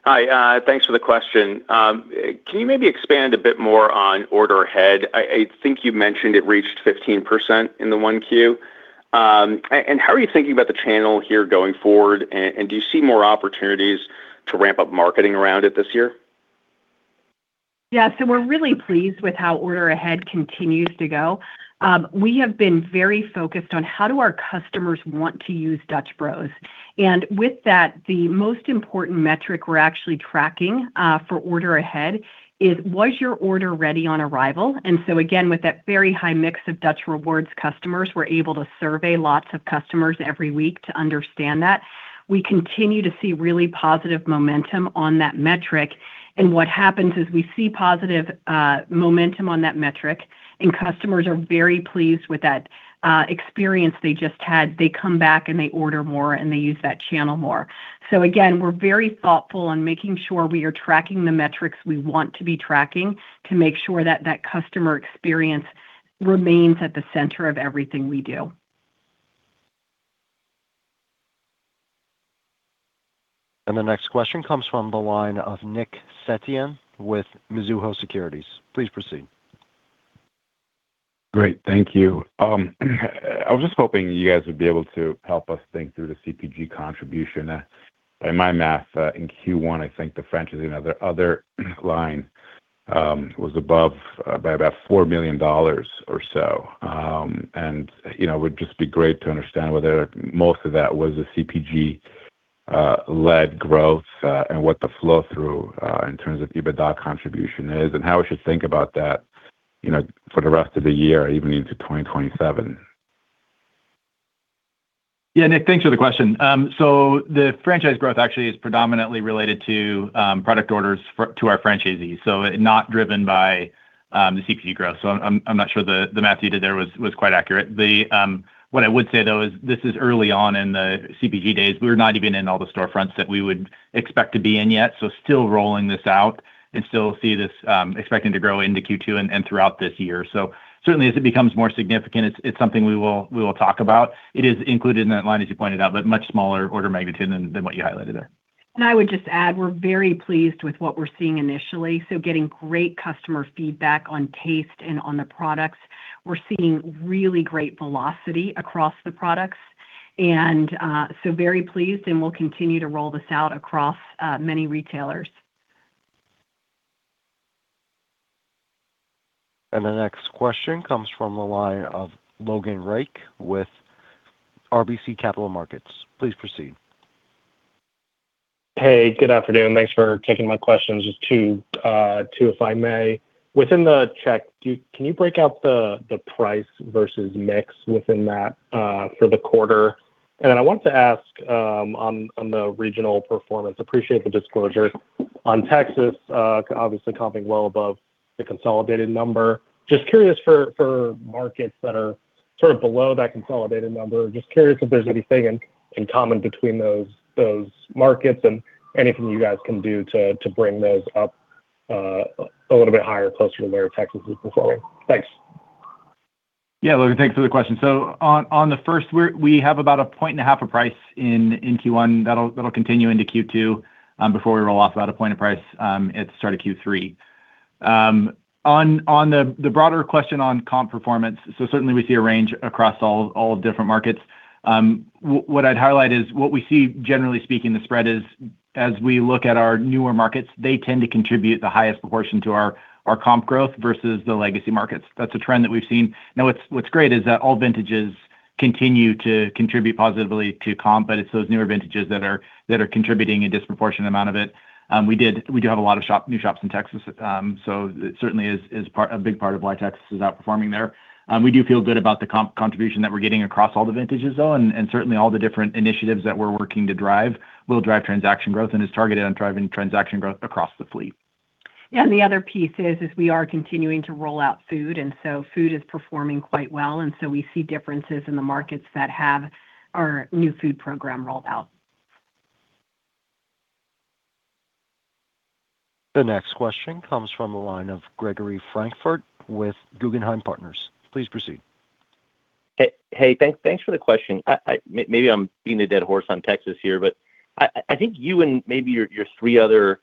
[SPEAKER 18] Hi. Thanks for the question. Can you maybe expand a bit more on order ahead? I think you mentioned it reached 15% in the 1Q. How are you thinking about the channel here going forward? Do you see more opportunities to ramp up marketing around it this year?
[SPEAKER 3] Yeah. We're really pleased with how order ahead continues to go. We have been very focused on how do our customers want to use Dutch Bros. With that, the most important metric we're actually tracking for order ahead is was your order ready on arrival. Again, with that very high mix of Dutch Rewards customers, we're able to survey lots of customers every week to understand that. We continue to see really positive momentum on that metric. And what happens is we see positive momentum on that metric, and customers are very pleased with that experience they just had. They come back, and they order more, and they use that channel more. We're very thoughtful on making sure we are tracking the metrics we want to be tracking to make sure that that customer experience remains at the center of everything we do.
[SPEAKER 1] The next question comes from the line of Nick Setyan with Mizuho Securities. Please proceed.
[SPEAKER 19] Great. Thank you. I was just hoping you guys would be able to help us think through the CPG contribution. By my math, in Q1, I think the franchisee and the other line was above by about $4 million or so. You know, it would just be great to understand whether most of that was a CPG led growth, and what the flow through in terms of EBITDA contribution is, and how we should think about that, you know, for the rest of the year, even into 2027.
[SPEAKER 4] Yeah, Nick, thanks for the question. The franchise growth actually is predominantly related to product orders for, to our franchisees. I'm not sure the math you did there was quite accurate. What I would say, though, is this is early on in the CPG days. We're not even in all the storefronts that we would expect to be in yet. Still rolling this out and still see this expecting to grow into Q2 and throughout this year. Certainly as it becomes more significant, it's something we will talk about. It is included in that line, as you pointed out, but much smaller order magnitude than what you highlighted there.
[SPEAKER 3] I would just add, we're very pleased with what we're seeing initially. Getting great customer feedback on taste and on the products. We're seeing really great velocity across the products. Very pleased, and we'll continue to roll this out across many retailers.
[SPEAKER 1] The next question comes from the line of Logan Reich with RBC Capital Markets. Please proceed.
[SPEAKER 20] Hey, good afternoon. Thanks for taking my questions. Just two if I may. Within the check, can you break out the price versus mix within that for the quarter? Then I wanted to ask on the regional performance. Appreciate the disclosure on Texas, obviously comping well above the consolidated number. Just curious for markets that are sort of below that consolidated number, just curious if there's anything in common between those markets and anything you guys can do to bring those up a little bit higher closer to where Texas is performing. Thanks.
[SPEAKER 4] Yeah. Logan, thanks for the question. On the first we have about a point and a half of price in Q1. That'll continue into Q2 before we roll off about a point of price at start of Q3. On the broader question on comp performance, certainly we see a range across all different markets. What I'd highlight is what we see generally speaking, the spread is as we look at our newer markets, they tend to contribute the highest proportion to our comp growth versus the legacy markets. That's a trend that we've seen. Now what's great is that all vintages continue to contribute positively to comp, but it's those newer vintages that are contributing a disproportionate amount of it. We do have a lot of new shops in Texas. It certainly is part, a big part of why Texas is outperforming there. We do feel good about the contribution that we're getting across all the vintages, though, and certainly all the different initiatives that we're working to drive will drive transaction growth and is targeted on driving transaction growth across the fleet.
[SPEAKER 3] Yeah. The other piece is we are continuing to roll out food, and so food is performing quite well. We see differences in the markets that have our new food program rolled out.
[SPEAKER 1] The next question comes from the line of Gregory Francfort with Guggenheim Partners. Please proceed.
[SPEAKER 21] Thanks for the question. Maybe I'm beating a dead horse on Texas here, but I think you and maybe your three other,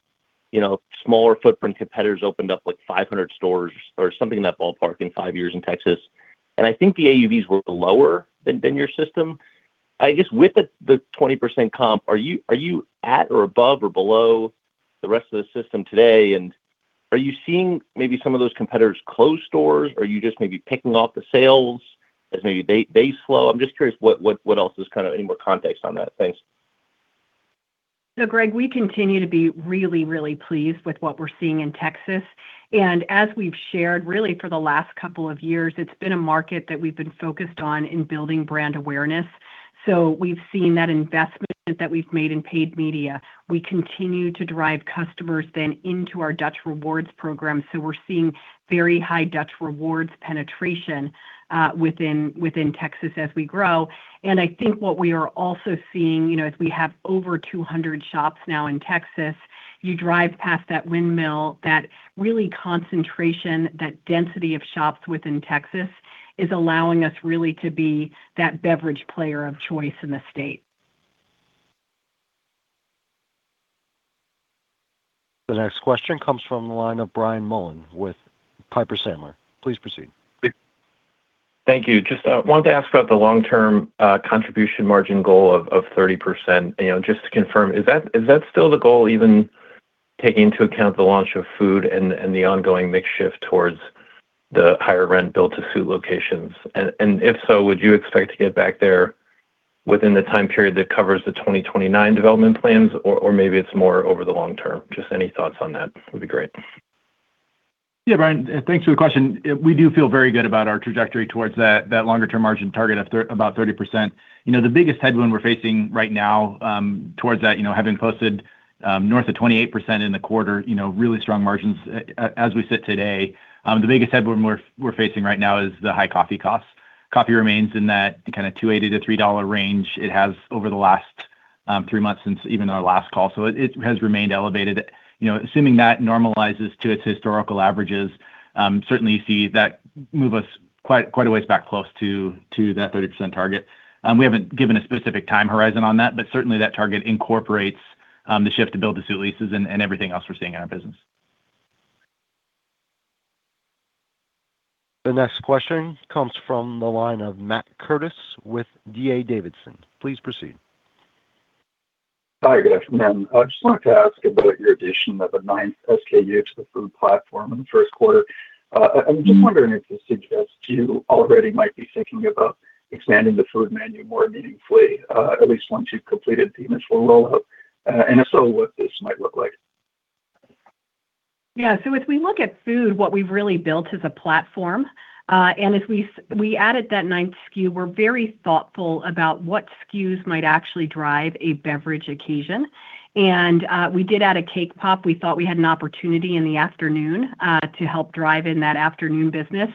[SPEAKER 21] you know, smaller footprint competitors opened up like 500 stores or something in that ballpark in five years in Texas. I think the AUVs were lower than your system. I guess with the 20% comp, are you at or above or below the rest of the system today? Are you seeing maybe some of those competitors close stores? Are you just maybe picking off the sales as maybe they slow? I'm just curious what else is kind of any more context on that. Thanks.
[SPEAKER 3] Greg, we continue to be really, really pleased with what we're seeing in Texas. As we've shared really for the last couple of years, it's been a market that we've been focused on in building brand awareness. We've seen that investment that we've made in paid media. We continue to drive customers then into our Dutch Rewards program. We're seeing very high Dutch Rewards penetration within Texas as we grow. I think what we are also seeing, you know, as we have over 200 shops now in Texas, you drive past that windmill, that really concentration, that density of shops within Texas is allowing us really to be that beverage player of choice in the state.
[SPEAKER 1] The next question comes from the line of Brian Mullan with Piper Sandler. Please proceed.
[SPEAKER 22] Thank you. Just wanted to ask about the long-term contribution margin goal of 30%, you know, just to confirm, is that still the goal even taking into account the launch of food and the ongoing mix shift towards the higher rent build-to-suit locations? If so, would you expect to get back there within the time period that covers the 2029 development plans or maybe it's more over the long term? Just any thoughts on that would be great.
[SPEAKER 4] Yeah, Brian, thanks for the question. We do feel very good about our trajectory towards that longer term margin target of about 30%. You know, the biggest headwind we're facing right now, towards that, you know, having posted north of 28% in the quarter, you know, really strong margins, as we sit today. The biggest headwind we're facing right now is the high coffee costs. Coffee remains in that kinda $2.80-$3 range it has over the last three months since even our last call. It has remained elevated. You know, assuming that normalizes to its historical averages, certainly you see that move us quite a ways back close to that 30% target. We haven't given a specific time horizon on that, but certainly that target incorporates the shift to build-to-suit leases and everything else we're seeing in our business.
[SPEAKER 1] The next question comes from the line of Matt Curtis with D.A. Davidson. Please proceed.
[SPEAKER 23] Hi guys. I just wanted to ask about your addition of a ninth SKU to the food platform in the first quarter. I'm just wondering if this suggests you already might be thinking about expanding the food menu more meaningfully, at least once you've completed the initial rollout, and if so, what this might look like?
[SPEAKER 3] Yeah. As we look at food, what we've really built is a platform. As we added that ninth SKU, we're very thoughtful about what SKUs might actually drive a beverage occasion. We did add a cake pop. We thought we had an opportunity in the afternoon to help drive in that afternoon business.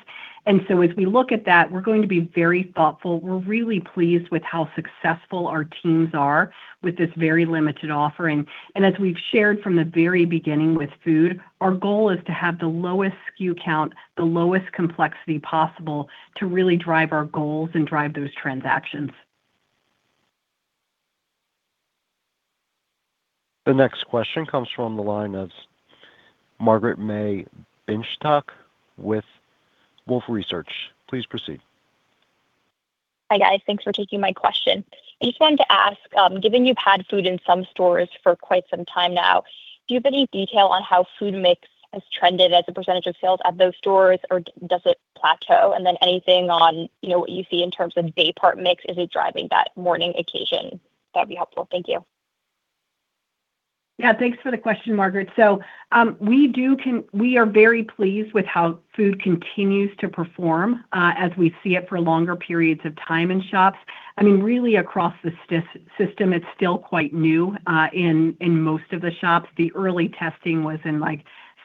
[SPEAKER 3] As we look at that, we're going to be very thoughtful. We're really pleased with how successful our teams are with this very limited offering. As we've shared from the very beginning with food, our goal is to have the lowest SKU count, the lowest complexity possible to really drive our goals and drive those transactions.
[SPEAKER 1] The next question comes from the line of Margaret-May Binshtok with Wolfe Research. Please proceed.
[SPEAKER 24] Hi guys, thanks for taking my question. I just wanted to ask, given you've had food in some stores for quite some time now, do you have any detail on how food mix has trended as a percentage of sales at those stores or does it plateau? Anything on, you know, what you see in terms of day part mix, is it driving that morning occasion? That'd be helpful. Thank you.
[SPEAKER 3] Yeah, thanks for the question, Margaret. We are very pleased with how food continues to perform as we see it for longer periods of time in shops. I mean, really across the system, it's still quite new in most of the shops. The early testing was in like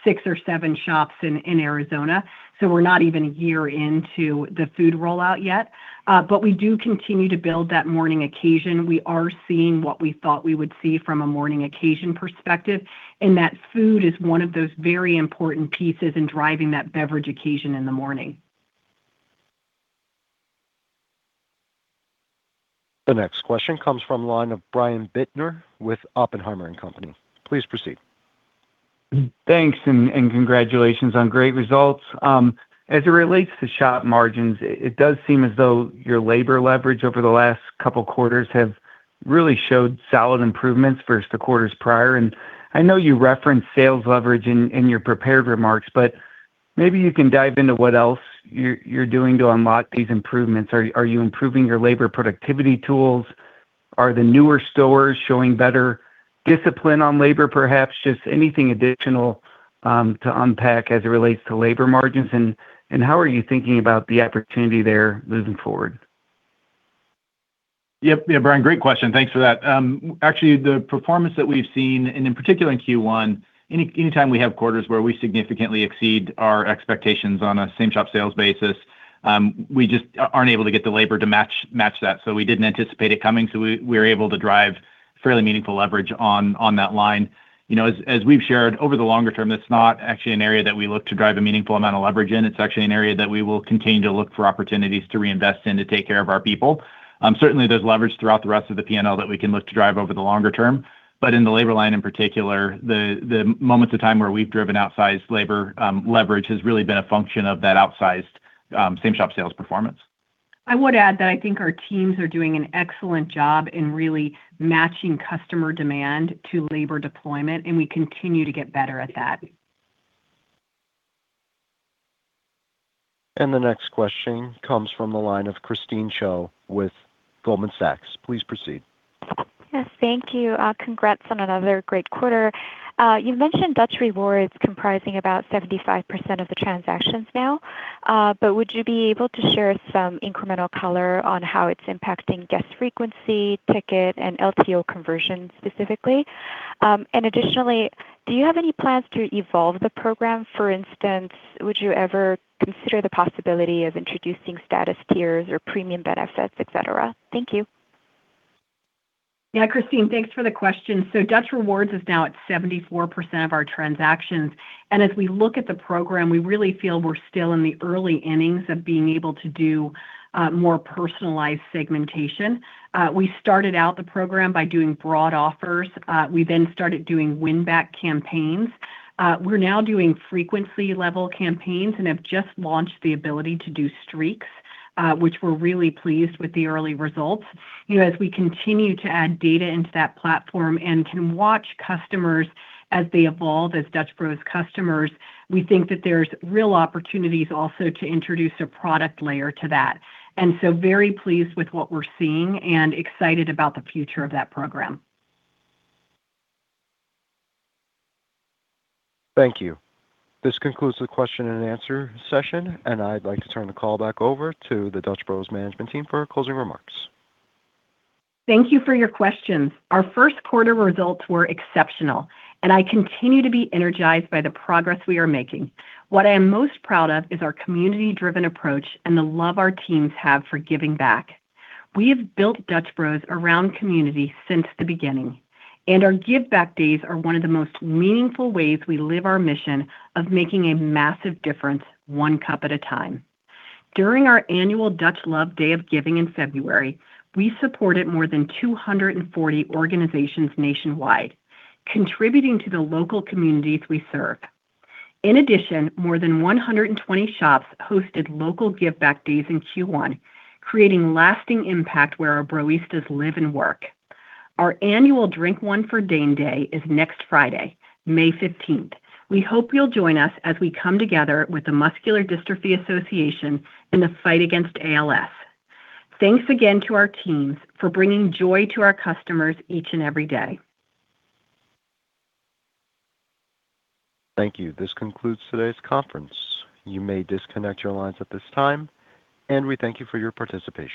[SPEAKER 3] six or seven shops in Arizona, we're not even a year into the food rollout yet. We do continue to build that morning occasion. We are seeing what we thought we would see from a morning occasion perspective, that food is one of those very important pieces in driving that beverage occasion in the morning.
[SPEAKER 1] The next question comes from the line of Brian Bittner with Oppenheimer & Company Please proceed.
[SPEAKER 25] Thanks, and congratulations on great results. As it relates to shop margins, it does seem as though your labor leverage over the last couple quarters have really showed solid improvements versus the quarters prior. I know you referenced sales leverage in your prepared remarks, but maybe you can dive into what else you're doing to unlock these improvements. Are you improving your labor productivity tools? Are the newer stores showing better discipline on labor perhaps? Just anything additional to unpack as it relates to labor margins and how are you thinking about the opportunity there moving forward?
[SPEAKER 4] Yep. Yeah, Brian, great question. Thanks for that. Actually, the performance that we've seen, and in particular in Q1, anytime we have quarters where we significantly exceed our expectations on a same shop sales basis. We just aren't able to get the labor to match that. We didn't anticipate it coming, so we were able to drive fairly meaningful leverage on that line. You know, as we've shared, over the longer term, it's not actually an area that we look to drive a meaningful amount of leverage in. It's actually an area that we will continue to look for opportunities to reinvest in to take care of our people. Certainly there's leverage throughout the rest of the P&L that we can look to drive over the longer term. In the labor line in particular, the moments of time where we've driven outsized labor leverage has really been a function of that outsized same-shop sales performance.
[SPEAKER 3] I would add that I think our teams are doing an excellent job in really matching customer demand to labor deployment. We continue to get better at that.
[SPEAKER 1] The next question comes from the line of Christine Cho with Goldman Sachs. Please proceed.
[SPEAKER 26] Yes, thank you. Congrats on another great quarter. You mentioned Dutch Rewards comprising about 75% of the transactions now, but would you be able to share some incremental color on how it's impacting guest frequency, ticket, and LTO conversion specifically? Additionally, do you have any plans to evolve the program? For instance, would you ever consider the possibility of introducing status tiers or premium benefits, et cetera? Thank you.
[SPEAKER 3] Yeah, Christine, thanks for the question. Dutch Rewards is now at 74% of our transactions. As we look at the program, we really feel we're still in the early innings of being able to do more personalized segmentation. We started out the program by doing broad offers. We then started doing win-back campaigns. We're now doing frequency level campaigns and have just launched the ability to do streaks, which we're really pleased with the early results. You know, as we continue to add data into that platform and can watch customers as they evolve as Dutch Bros customers, we think that there's real opportunities also to introduce a product layer to that. Very pleased with what we're seeing and excited about the future of that program.
[SPEAKER 1] Thank you. This concludes the question and answer session, and I'd like to turn the call back over to the Dutch Bros management team for closing remarks.
[SPEAKER 3] Thank you for your questions. Our first quarter results were exceptional. I continue to be energized by the progress we are making. What I am most proud of is our community-driven approach and the love our teams have for giving back. We have built Dutch Bros around community since the beginning. Our Giveback Days are one of the most meaningful ways we live our mission of making a massive difference one cup at a time. During our annual Dutch Luv Day of Giving in February, we supported more than 240 organizations nationwide, contributing to the local communities we serve. In addition, more than 120 shops hosted local Giveback Days in Q1, creating lasting impact where our Broistas live and work. Our annual Drink One for Dane Day is next Friday, May 15th. We hope you'll join us as we come together with the Muscular Dystrophy Association in the fight against ALS. Thanks again to our teams for bringing joy to our customers each and every day.
[SPEAKER 1] Thank you. This concludes today's conference. You may disconnect your lines at this time, and we thank you for your participation.